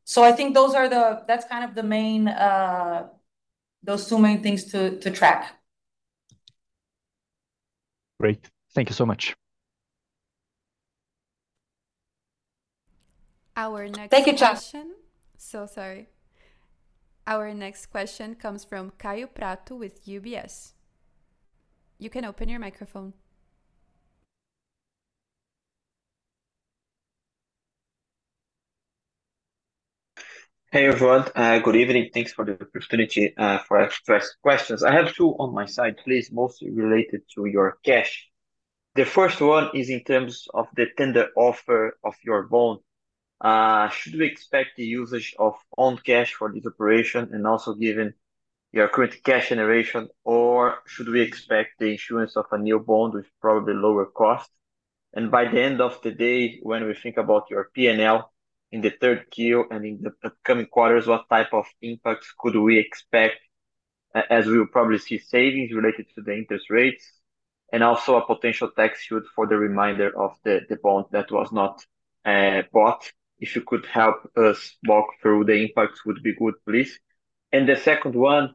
So I think that's kind of the main, those two main things to track. Great. Thank you so much. Our next question- Thank you, Thiago. Sorry. Our next question comes from Kaio Prato with UBS. You can open your microphone. Hey, everyone. Good evening. Thanks for the opportunity for ask questions. I have two on my side, please, mostly related to your cash. The first one is in terms of the tender offer of your bond. Should we expect the usage of own cash for this operation, and also given your current cash generation, or should we expect the issuance of a new bond with probably lower cost? And by the end of the day, when we think about your P&L in the third Q and in the upcoming quarters, what type of impacts could we expect, as we will probably see savings related to the interest rates, and also a potential tax shield for the remainder of the bond that was not bought? If you could help us walk through the impacts, would be good, please. The second one,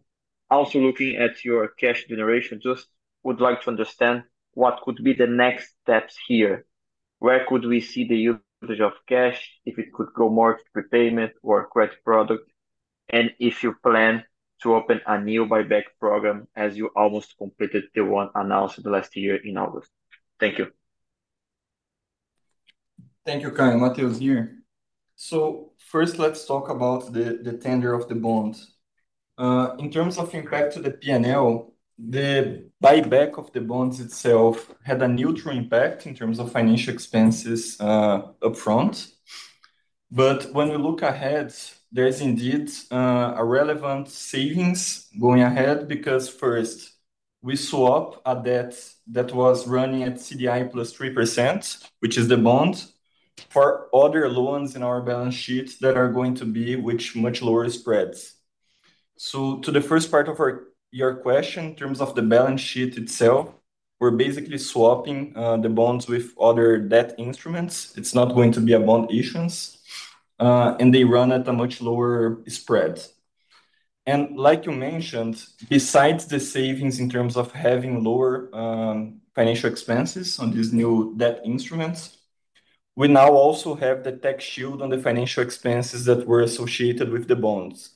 also looking at your cash generation, just would like to understand what could be the next steps here. Where could we see the usage of cash, if it could go more to prepayment or credit product? And if you plan to open a new buyback program, as you almost completed the one announced last year in August. Thank you. Thank you, Kaio. Mateus here. So first, let's talk about the tender of the bond. In terms of impact to the P&L, the buyback of the bonds itself had a neutral impact in terms of financial expenses, upfront. But when we look ahead, there is indeed a relevant savings going ahead, because first, we swap a debt that was running at CDI +3%, which is the bond, for other loans in our balance sheet that are going to be with much lower spreads. So to the first part of our, your question, in terms of the balance sheet itself, we're basically swapping the bonds with other debt instruments. It's not going to be a bond issuance, and they run at a much lower spread. Like you mentioned, besides the savings in terms of having lower financial expenses on these new debt instruments, we now also have the tax shield on the financial expenses that were associated with the bonds,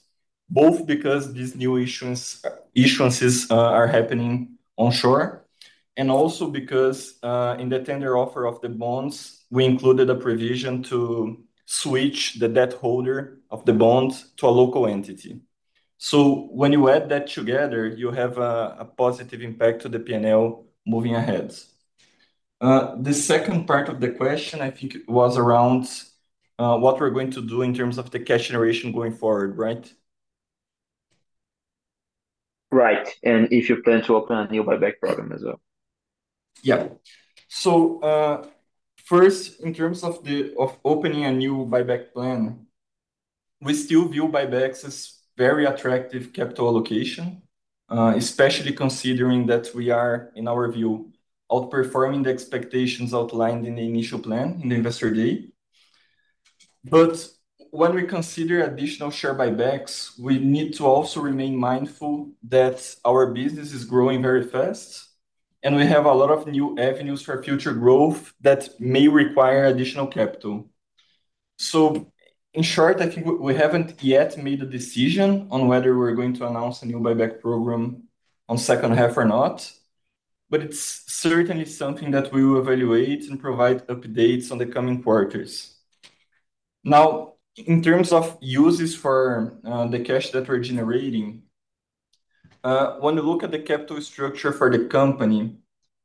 both because these new issuances are happening onshore, and also because in the tender offer of the bonds, we included a provision to switch the debt holder of the bond to a local entity. So when you add that together, you have a positive impact to the P&L moving ahead. The second part of the question, I think, was around what we're going to do in terms of the cash generation going forward, right? ... Right, and if you plan to open a new buyback program as well? Yeah. So, first, in terms of the, of opening a new buyback plan, we still view buybacks as very attractive capital allocation, especially considering that we are, in our view, outperforming the expectations outlined in the initial plan in the Investor Day. But when we consider additional share buybacks, we need to also remain mindful that our business is growing very fast, and we have a lot of new avenues for future growth that may require additional capital. So in short, I think we, we haven't yet made a decision on whether we're going to announce a new buyback program on second half or not, but it's certainly something that we will evaluate and provide updates on the coming quarters. Now, in terms of uses for the cash that we're generating, when we look at the capital structure for the company,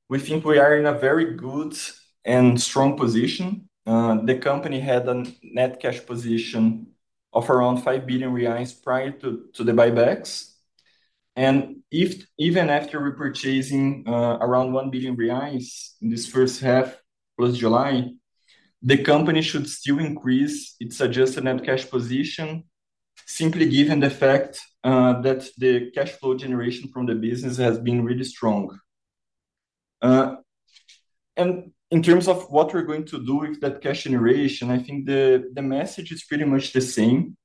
we think we are in a very good and strong position. The company had a net cash position of around 5 billion reais prior to the buybacks. And even after repurchasing around 1 billion reais in this first half, plus July, the company should still increase its adjusted net cash position, simply given the fact that the cash flow generation from the business has been really strong. And in terms of what we're going to do with that cash generation, I think the message is pretty much the same.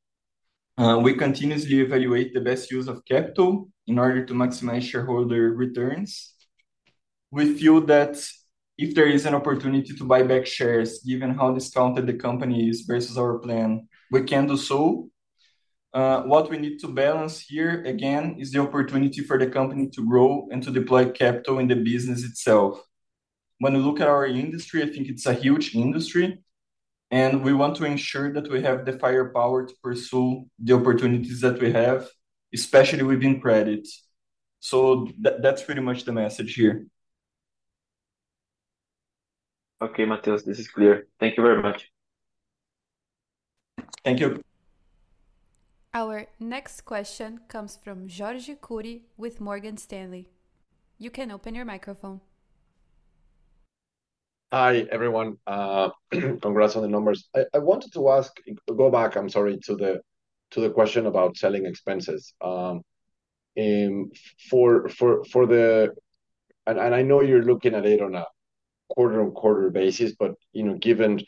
We continuously evaluate the best use of capital in order to maximize shareholder returns. We feel that if there is an opportunity to buy back shares, given how discounted the company is versus our plan, we can do so. What we need to balance here, again, is the opportunity for the company to grow and to deploy capital in the business itself. When we look at our industry, I think it's a huge industry, and we want to ensure that we have the firepower to pursue the opportunities that we have, especially within credit. So that, that's pretty much the message here. Okay, Mateus, this is clear. Thank you very much. Thank you. Our next question comes from Jorge Kuri with Morgan Stanley. You can open your microphone. Hi, everyone. Congrats on the numbers. I wanted to ask. Go back, I'm sorry, to the question about selling expenses. And I know you're looking at it on a quarter-on-quarter basis, but you know, given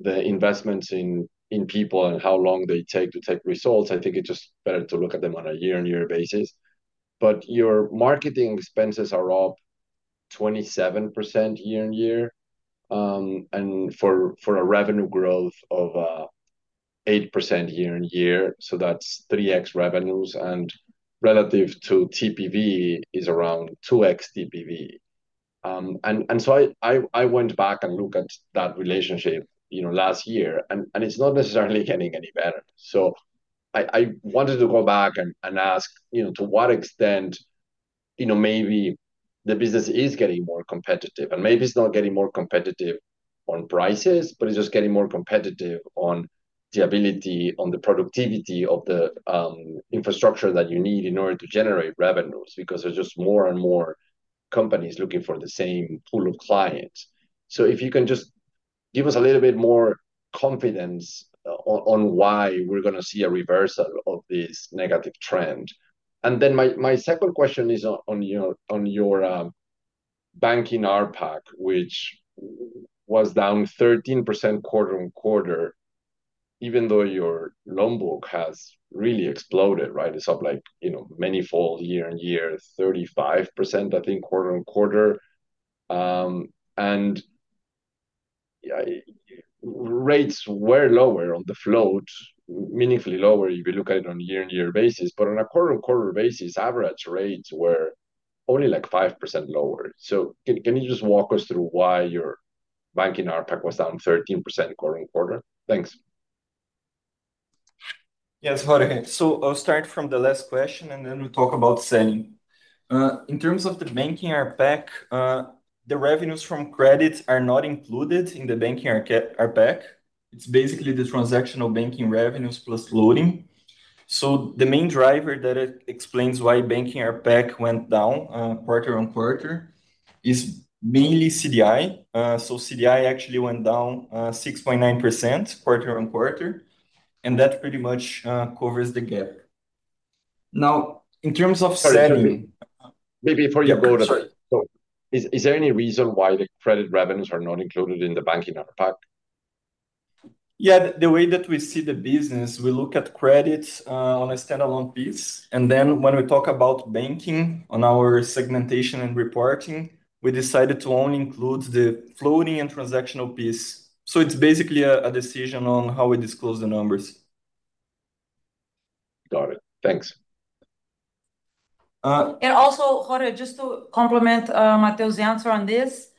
the investments in people and how long they take to take results, I think it's just better to look at them on a year-over-year basis. But your marketing expenses are up 27% year-over-year, and for a revenue growth of 8% year-over-year, so that's 3x revenues, and relative to TPV is around 2x TPV. And so I went back and look at that relationship, you know, last year, and it's not necessarily getting any better. So I wanted to go back and ask, you know, to what extent, you know, maybe the business is getting more competitive, and maybe it's not getting more competitive on prices, but it's just getting more competitive on the ability, on the productivity of the infrastructure that you need in order to generate revenues, because there's just more and more companies looking for the same pool of clients. So if you can just give us a little bit more confidence on why we're gonna see a reversal of this negative trend. And then my second question is on your banking ARPAC, which was down 13% quarter-over-quarter, even though your loan book has really exploded, right? It's up like, you know, manifold year-over-year, 35%, I think, quarter-over-quarter. Yeah, rates were lower on the float, meaningfully lower, if you look at it on a year-on-year basis, but on a quarter-over-quarter basis, average rates were only, like, 5% lower. Can you just walk us through why your banking ARPAC was down 13% quarter-over-quarter? Thanks. Yes, Jorge. So I'll start from the last question, and then we'll talk about selling. In terms of the banking ARPAC, the revenues from credit are not included in the banking ARPAC. It's basically the transactional banking revenues plus loading. So the main driver that explains why banking ARPAC went down, quarter-over-quarter is mainly CDI. So CDI actually went down, 6.9% quarter-over-quarter, and that pretty much covers the gap. Now, in terms of selling- Sorry, maybe before you go- Sorry. Is there any reason why the credit revenues are not included in the banking ARPAC? Yeah. The way that we see the business, we look at credit on a standalone piece, and then when we talk about banking on our segmentation and reporting, we decided to only include the floating and transactional piece. So it's basically a decision on how we disclose the numbers. Got it. Thanks. Uh- And also, Jorge, just to complement, Mateus' answer on this,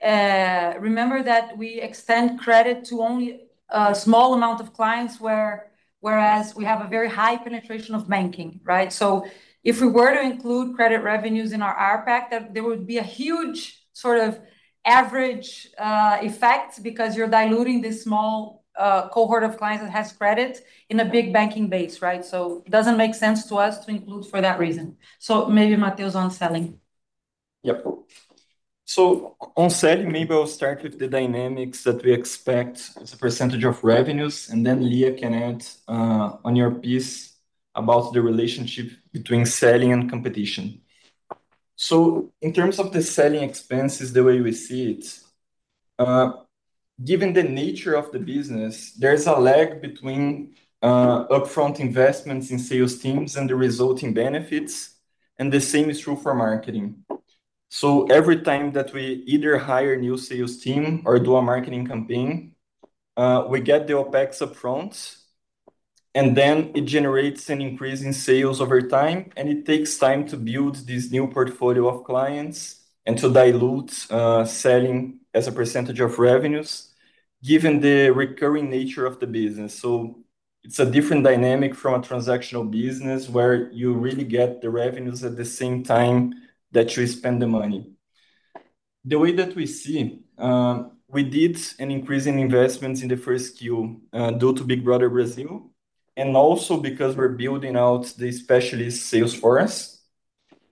remember that we extend credit to only a small amount of clients, whereas we have a very high penetration of banking, right? So if we were to include credit revenues in our ARPAC, there would be a huge, sort of, average effect, because you're diluting this small cohort of clients that has credit in a big banking base, right? So it doesn't make sense to us to include for that reason. So maybe Mateus on selling.... Yep. So on selling, maybe I'll start with the dynamics that we expect as a percentage of revenues, and then Lia can add, on your piece about the relationship between selling and competition. So in terms of the selling expenses, the way we see it, given the nature of the business, there's a lag between, upfront investments in sales teams and the resulting benefits, and the same is true for marketing. So every time that we either hire a new sales team or do a marketing campaign, we get the OpEx upfront, and then it generates an increase in sales over time, and it takes time to build this new portfolio of clients and to dilute, selling as a percentage of revenues, given the recurring nature of the business. So it's a different dynamic from a transactional business, where you really get the revenues at the same time that you spend the money. The way that we see, we did an increase in investments in the first Q, due to Big Brother Brasil, and also because we're building out the specialist sales force.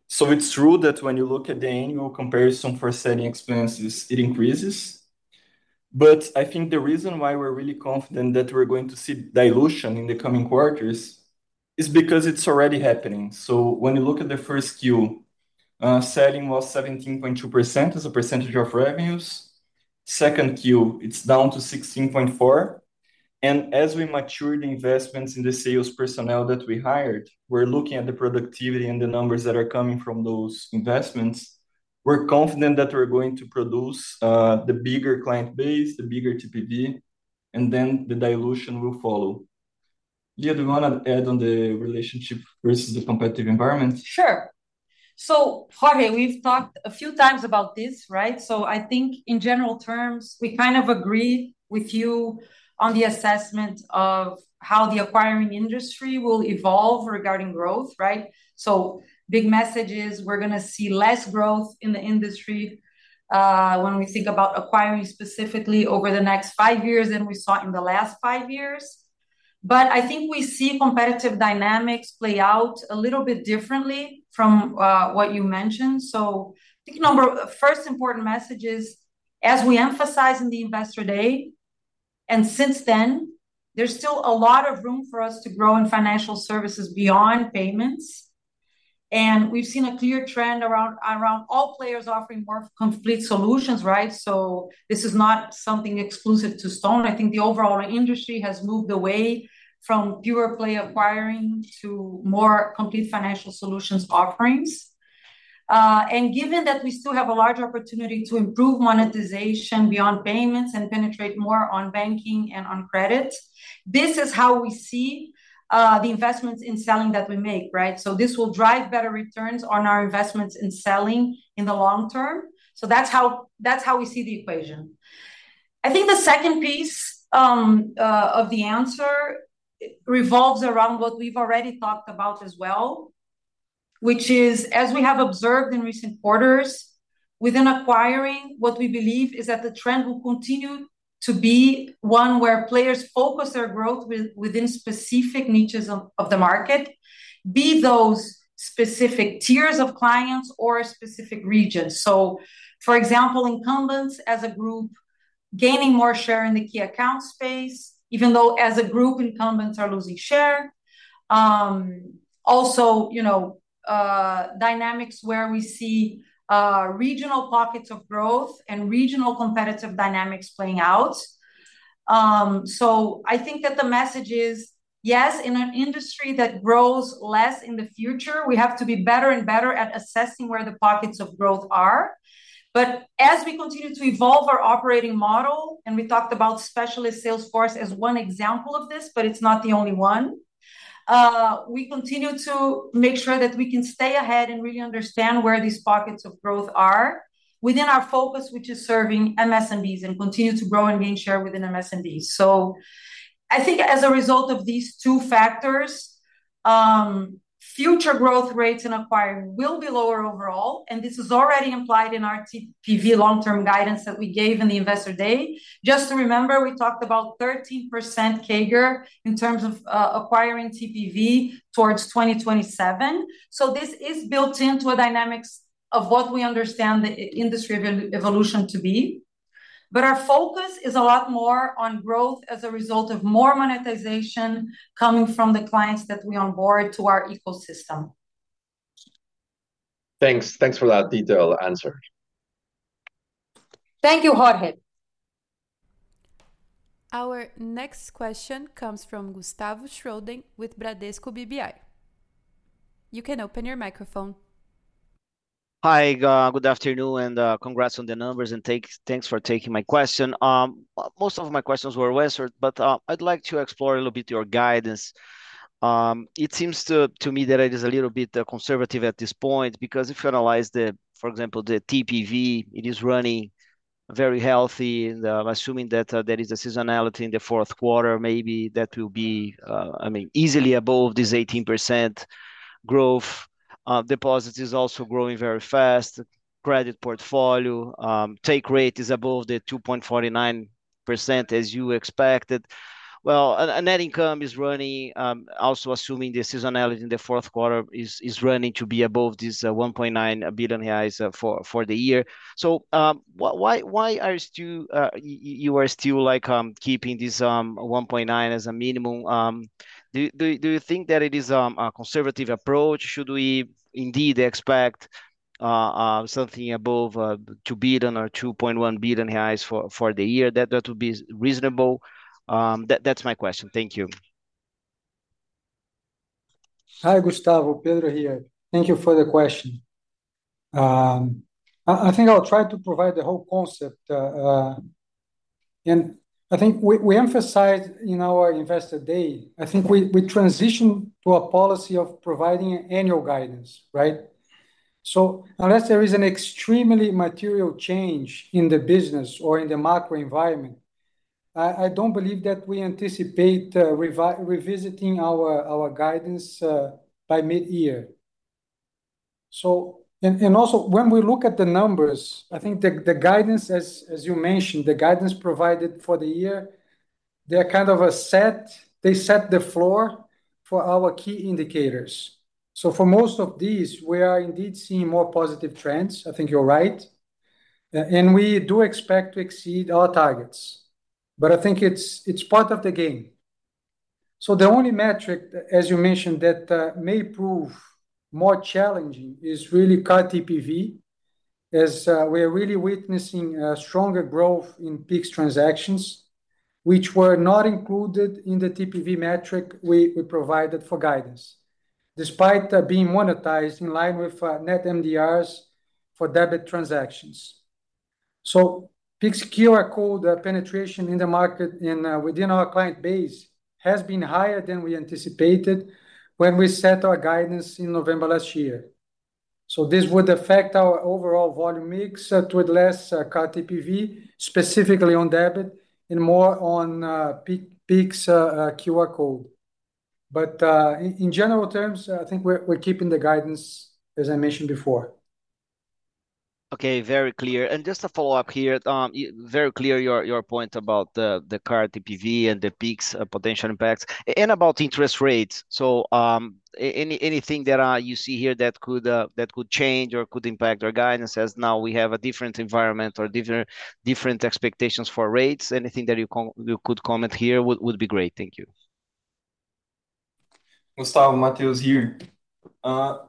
So it's true that when you look at the annual comparison for selling expenses, it increases. But I think the reason why we're really confident that we're going to see dilution in the coming quarters is because it's already happening. So when you look at the first Q, selling was 17.2% as a percentage of revenues. Q2, it's down to 16.4, and as we mature the investments in the sales personnel that we hired, we're looking at the productivity and the numbers that are coming from those investments. We're confident that we're going to produce the bigger client base, the bigger TPV, and then the dilution will follow. Lia, do you want to add on the relationship versus the competitive environment? Sure. So Jorge, we've talked a few times about this, right? So I think in general terms, we kind of agree with you on the assessment of how the acquiring industry will evolve regarding growth, right? So big message is, we're going to see less growth in the industry, when we think about acquiring specifically over the next five years than we saw in the last five years. But I think we see competitive dynamics play out a little bit differently from, what you mentioned. So I think number, first important message is, as we emphasized in the Investor Day, and since then, there's still a lot of room for us to grow in financial services beyond payments, and we've seen a clear trend around all players offering more complete solutions, right? So this is not something exclusive to Stone. I think the overall industry has moved away from pure play acquiring to more complete financial solutions offerings. And given that we still have a large opportunity to improve monetization beyond payments and penetrate more on banking and on credit, this is how we see the investments in selling that we make, right? So this will drive better returns on our investments in selling in the long term. So that's how, that's how we see the equation. I think the second piece of the answer revolves around what we've already talked about as well, which is, as we have observed in recent quarters, within acquiring, what we believe is that the trend will continue to be one where players focus their growth within specific niches of the market, be those specific tiers of clients or specific regions. So, for example, incumbents as a group, gaining more share in the key account space, even though as a group, incumbents are losing share. Also, you know, dynamics where we see regional pockets of growth and regional competitive dynamics playing out. So I think that the message is, yes, in an industry that grows less in the future, we have to be better and better at assessing where the pockets of growth are. But as we continue to evolve our operating model, and we talked about specialist sales force as one example of this, but it's not the only one, we continue to make sure that we can stay ahead and really understand where these pockets of growth are within our focus, which is serving MSMEs, and continue to grow and gain share within MSMEs. So I think as a result of these two factors, future growth rates in acquiring will be lower overall, and this is already implied in our TPV long-term guidance that we gave in the Investor Day. Just to remember, we talked about 13% CAGR in terms of acquiring TPV towards 2027. So this is built into the dynamics of what we understand the industry evolution to be. But our focus is a lot more on growth as a result of more monetization coming from the clients that we onboard to our ecosystem. Thanks. Thanks for that detailed answer. Thank you, Jorge. Our next question comes from Gustavo Schroden with Bradesco BBI. You can open your microphone. Hi, good afternoon, and congrats on the numbers, and thanks, thanks for taking my question. Most of my questions were answered, but I'd like to explore a little bit your guidance. It seems to me that it is a little bit conservative at this point, because if you analyze the, for example, the TPV, it is running very healthy, and I'm assuming that there is a seasonality in the fourth quarter, maybe that will be, I mean, easily above this 18% growth. Deposit is also growing very fast. Credit portfolio, take rate is above the 2.49% as you expected. Well, a net income is running, also assuming the seasonality in the fourth quarter is running to be above this 1.9 billion reais for the year. Why are you still, like, keeping this 1.9 as a minimum? Do you think that it is a conservative approach? Should we indeed expect something above to bid on our 2.1 billion reais for the year, that would be reasonable? That's my question. Thank you. Hi, Gustavo. Pedro here. Thank you for the question. I think I'll try to provide the whole concept. And I think we emphasized in our Investor Day. I think we transitioned to a policy of providing annual guidance, right? So unless there is an extremely material change in the business or in the macro environment, I don't believe that we anticipate revisiting our guidance by mid-year. And also when we look at the numbers, I think the guidance as you mentioned, the guidance provided for the year, they set the floor for our key indicators. So for most of these, we are indeed seeing more positive trends. I think you're right. And we do expect to exceed our targets, but I think it's part of the game. So the only metric, as you mentioned, that may prove more challenging is really card TPV, as we are really witnessing a stronger growth in PIX transactions, which were not included in the TPV metric we provided for guidance, despite being monetized in line with net MDRs for debit transactions. So PIX QR code penetration in the market and within our client base has been higher than we anticipated when we set our guidance in November last year. So this would affect our overall volume mix toward less card TPV, specifically on debit, and more on PIX QR code. But in general terms, I think we're keeping the guidance, as I mentioned before. Okay, very clear. And just to follow up here, very clear your, your point about the, the card TPV and the PIX potential impacts, and about interest rates. So, anything that you see here that could, that could change or could impact our guidance, as now we have a different environment or different, different expectations for rates? Anything that you could comment here would, would be great. Thank you. Gustavo, Mateus here.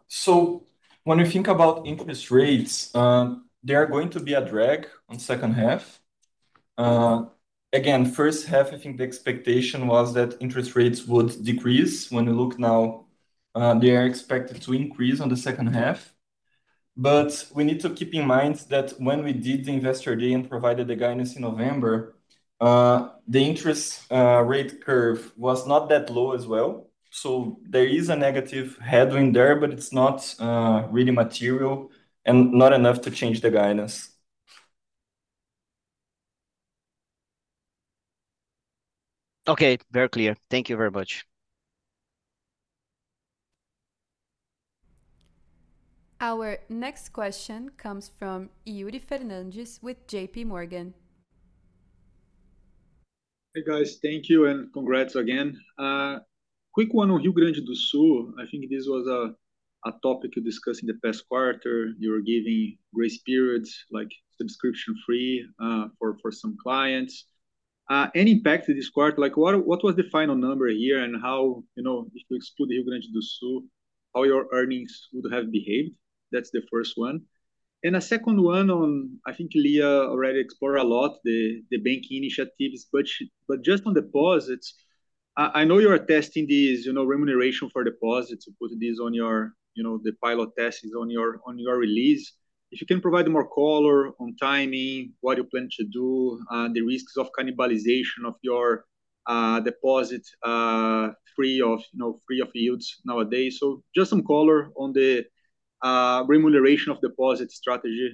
So when we think about interest rates, they are going to be a drag on second half. Again, first half, I think the expectation was that interest rates would decrease. When we look now, they are expected to increase on the second half. But we need to keep in mind that when we did the Investor Day and provided the guidance in November, the interest rate curve was not that low as well. So there is a negative headwind there, but it's not really material, and not enough to change the guidance. Okay, very clear. Thank you very much. Our next question comes from Yuri Fernandes with J.P. Morgan. Hey, guys. Thank you, and congrats again. Quick one on Rio Grande do Sul. I think this was a topic you discussed in the past quarter. You were giving grace periods, like subscription free, for some clients. Any impact to this quarter? Like, what was the final number here, and how, you know, if you exclude the Rio Grande do Sul, how your earnings would have behaved? That's the first one. And a second one on, I think Lia already explored a lot, the banking initiatives. But just on deposits, I know you are testing these, you know, remuneration for deposits. You put this on your... You know, the pilot test is on your, on your release. If you can provide more color on timing, what you plan to do, the risks of cannibalization of your deposit, you know, free of yields nowadays. So just some color on the remuneration of deposit strategy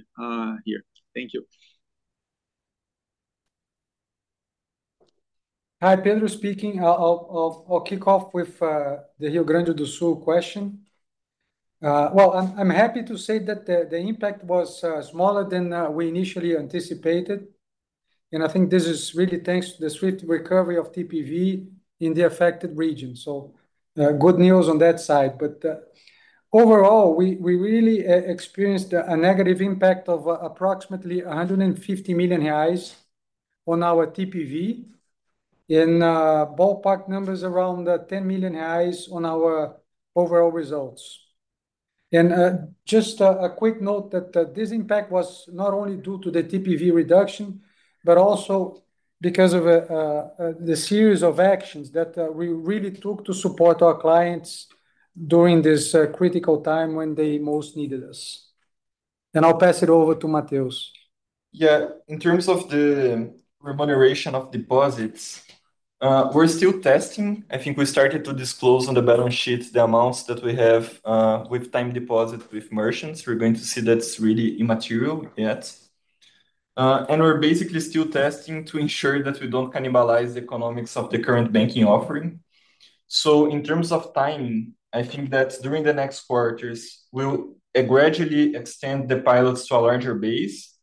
here. Thank you. Hi, Pedro speaking. I'll kick off with the Rio Grande do Sul question. Well, I'm happy to say that the impact was smaller than we initially anticipated, and I think this is really thanks to the swift recovery of TPV in the affected region. So, good news on that side. But overall, we really experienced a negative impact of approximately 150 million reais on our TPV, in ballpark numbers, around 10 million reais on our overall results. And just a quick note that this impact was not only due to the TPV reduction, but also because of the series of actions that we really took to support our clients during this critical time when they most needed us. And I'll pass it over to Mateus. Yeah, in terms of the remuneration of deposits, we're still testing. I think we started to disclose on the balance sheet the amounts that we have, with time deposit with merchants. We're going to see that's really immaterial yet. And we're basically still testing to ensure that we don't cannibalize the economics of the current banking offering.... So in terms of timing, I think that during the next quarters, we'll, gradually extend the pilots to a larger base,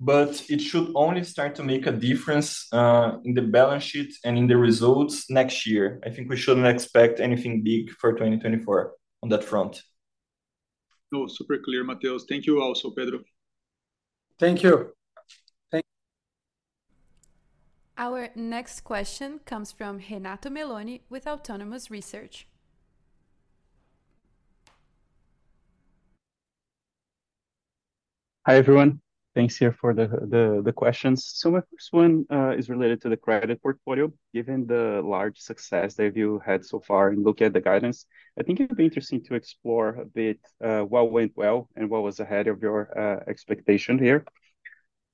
but it should only start to make a difference, in the balance sheet and in the results next year. I think we shouldn't expect anything big for 2024 on that front. No, super clear, Mateus. Thank you also, Pedro. Thank you. Our next question comes from Renato Meloni with Autonomous Research. Hi, everyone. Thanks for the questions. My first one is related to the credit portfolio. Given the large success that you've had so far and look at the guidance, I think it'd be interesting to explore a bit, what went well and what was ahead of your expectation here.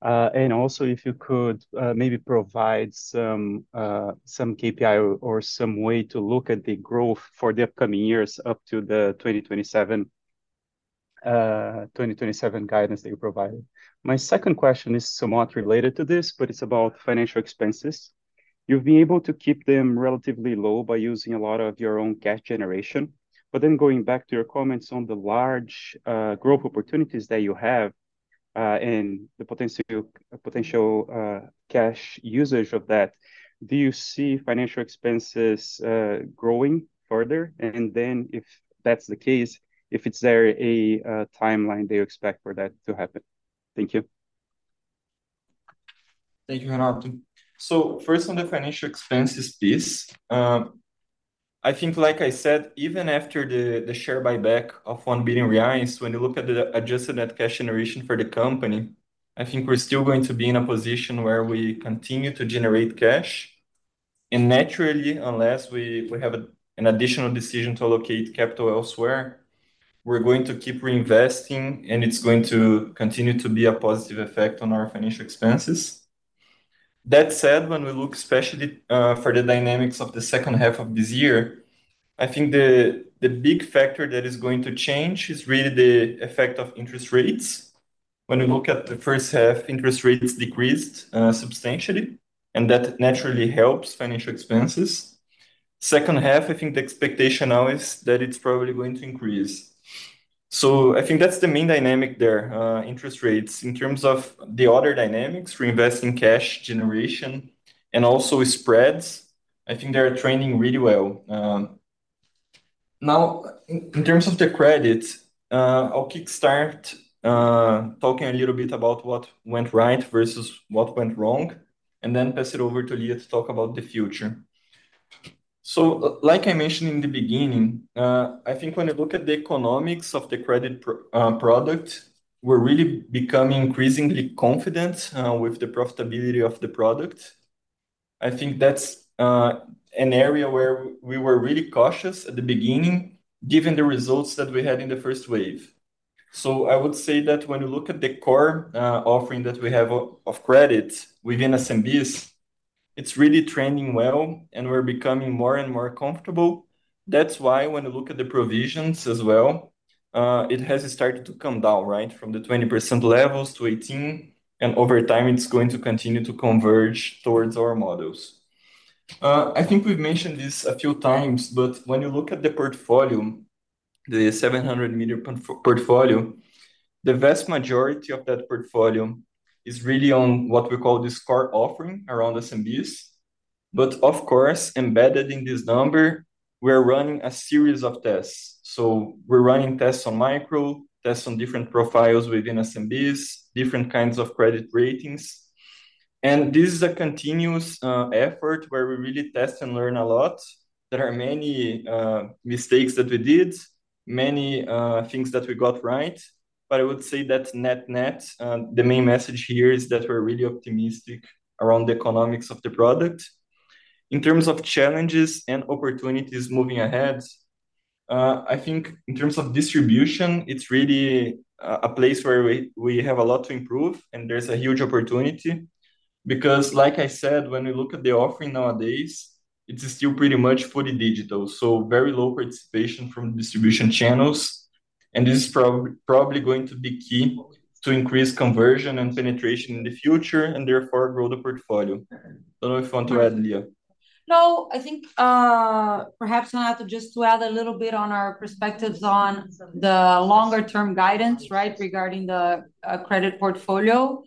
Also if you could maybe provide some KPI or some way to look at the growth for the upcoming years up to the 2027 guidance that you provided. My second question is somewhat related to this, but it's about financial expenses. You've been able to keep them relatively low by using a lot of your own cash generation. But then going back to your comments on the large, growth opportunities that you have, and the potential, potential, cash usage of that, do you see financial expenses, growing further? And then if that's the case, if is there a, timeline that you expect for that to happen? Thank you. Thank you, Renato. So first, on the financial expenses piece, I think, like I said, even after the, the share buyback of 1 billion reais, when you look at the adjusted net cash generation for the company, I think we're still going to be in a position where we continue to generate cash. And naturally, unless we, we have an additional decision to allocate capital elsewhere, we're going to keep reinvesting, and it's going to continue to be a positive effect on our financial expenses. That said, when we look especially for the dynamics of the second half of this year, I think the, the big factor that is going to change is really the effect of interest rates. When we look at the first half, interest rates decreased substantially, and that naturally helps financial expenses. Second half, I think the expectation now is that it's probably going to increase. So I think that's the main dynamic there, interest rates. In terms of the other dynamics, reinvesting cash generation and also spreads, I think they are trending really well. Now, in terms of the credits, I'll kickstart talking a little bit about what went right versus what went wrong, and then pass it over to Lia to talk about the future. So, like I mentioned in the beginning, I think when you look at the economics of the credit product, we're really becoming increasingly confident with the profitability of the product. I think that's an area where we were really cautious at the beginning, given the results that we had in the first wave. So I would say that when you look at the core offering that we have of credit within SMBs, it's really trending well, and we're becoming more and more comfortable. That's why when you look at the provisions as well, it has started to come down, right? From the 20% levels to 18%, and over time, it's going to continue to converge towards our models. I think we've mentioned this a few times, but when you look at the portfolio, the 700 million portfolio, the vast majority of that portfolio is really on what we call this core offering around SMBs. But of course, embedded in this number, we're running a series of tests. So we're running tests on micro, tests on different profiles within SMBs, different kinds of credit ratings. This is a continuous effort where we really test and learn a lot. There are many mistakes that we did, many things that we got right. But I would say that net-net, the main message here is that we're really optimistic around the economics of the product. In terms of challenges and opportunities moving ahead, I think in terms of distribution, it's really a place where we have a lot to improve, and there's a huge opportunity. Because like I said, when we look at the offering nowadays, it's still pretty much fully digital, so very low participation from distribution channels, and this is probably going to be key to increase conversion and penetration in the future, and therefore grow the portfolio. I don't know if you want to add, Lia. No, I think, perhaps not, just to add a little bit on our perspectives on the longer-term guidance, right, regarding the credit portfolio.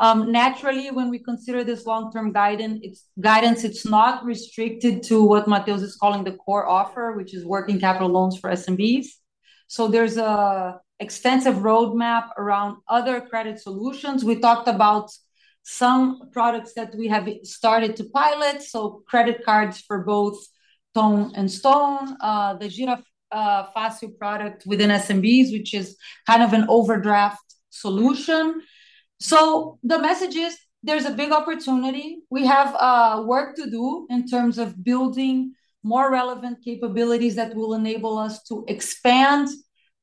Naturally, when we consider this long-term guidance, it's guidance, it's not restricted to what Mateus is calling the core offer, which is working capital loans for SMBs. So there's an extensive roadmap around other credit solutions. We talked about some products that we have started to pilot, so credit cards for both Ton and Stone, the Giro Fácil product within SMBs, which is kind of an overdraft solution. So the message is, there's a big opportunity. We have work to do in terms of building more relevant capabilities that will enable us to expand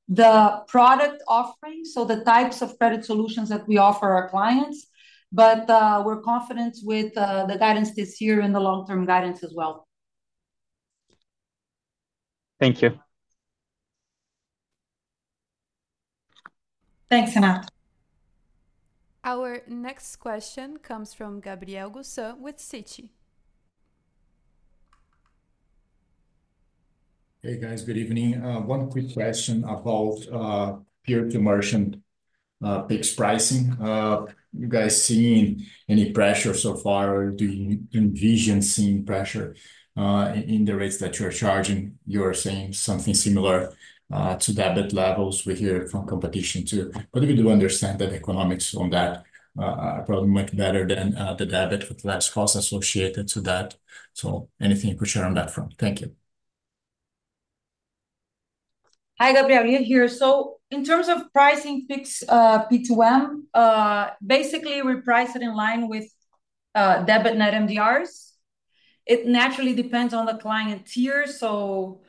the product offering, so the types of credit solutions that we offer our clients. We're confident with the guidance this year and the long-term guidance as well. Thank you.... Thanks a lot. Our next question comes from Gabriel Gusan with Citi. Hey, guys. Good evening. One quick question about peer-to-merchant PIX pricing. You guys seeing any pressure so far, or do you envision seeing pressure in the rates that you are charging? You are saying something similar to debit levels we hear from competition, too. But we do understand that economics on that are probably much better than the debit with less costs associated to that. So anything you could share on that front? Thank you. Hi, Gabriel, Lia here. In terms of pricing PIX P2M, basically we price it in line with debit net MDRs. It naturally depends on the client tier, so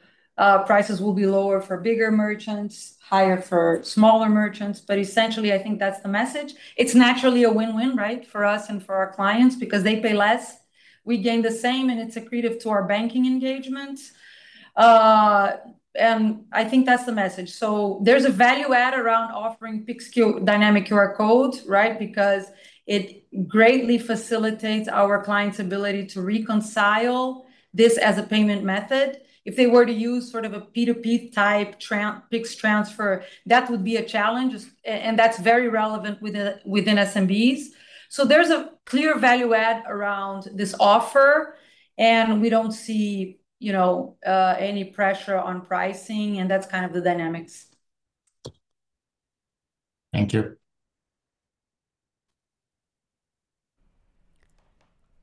prices will be lower for bigger merchants, higher for smaller merchants. But essentially, I think that's the message. It's naturally a win-win, right, for us and for our clients because they pay less, we gain the same, and it's accretive to our banking engagement. And I think that's the message. So there's a value add around offering PIX Dynamic QR code, right? Because it greatly facilitates our clients' ability to reconcile this as a payment method. If they were to use sort of a P2P-type PIX transfer, that would be a challenge, and that's very relevant within SMBs. So there's a clear value add around this offer, and we don't see, you know, any pressure on pricing, and that's kind of the dynamics. Thank you.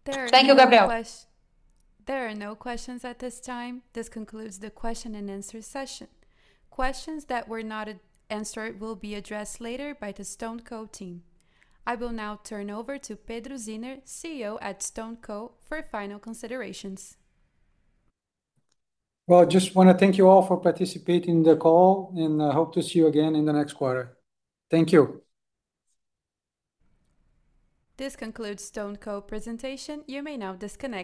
Thank you, Gabriel. There are no questions at this time. This concludes the question-and-answer session. Questions that were not answered will be addressed later by the StoneCo team. I will now turn over to Pedro Zinner, CEO at StoneCo, for final considerations. Well, I just wanna thank you all for participating in the call, and I hope to see you again in the next quarter. Thank you. This concludes StoneCo presentation. You may now disconnect.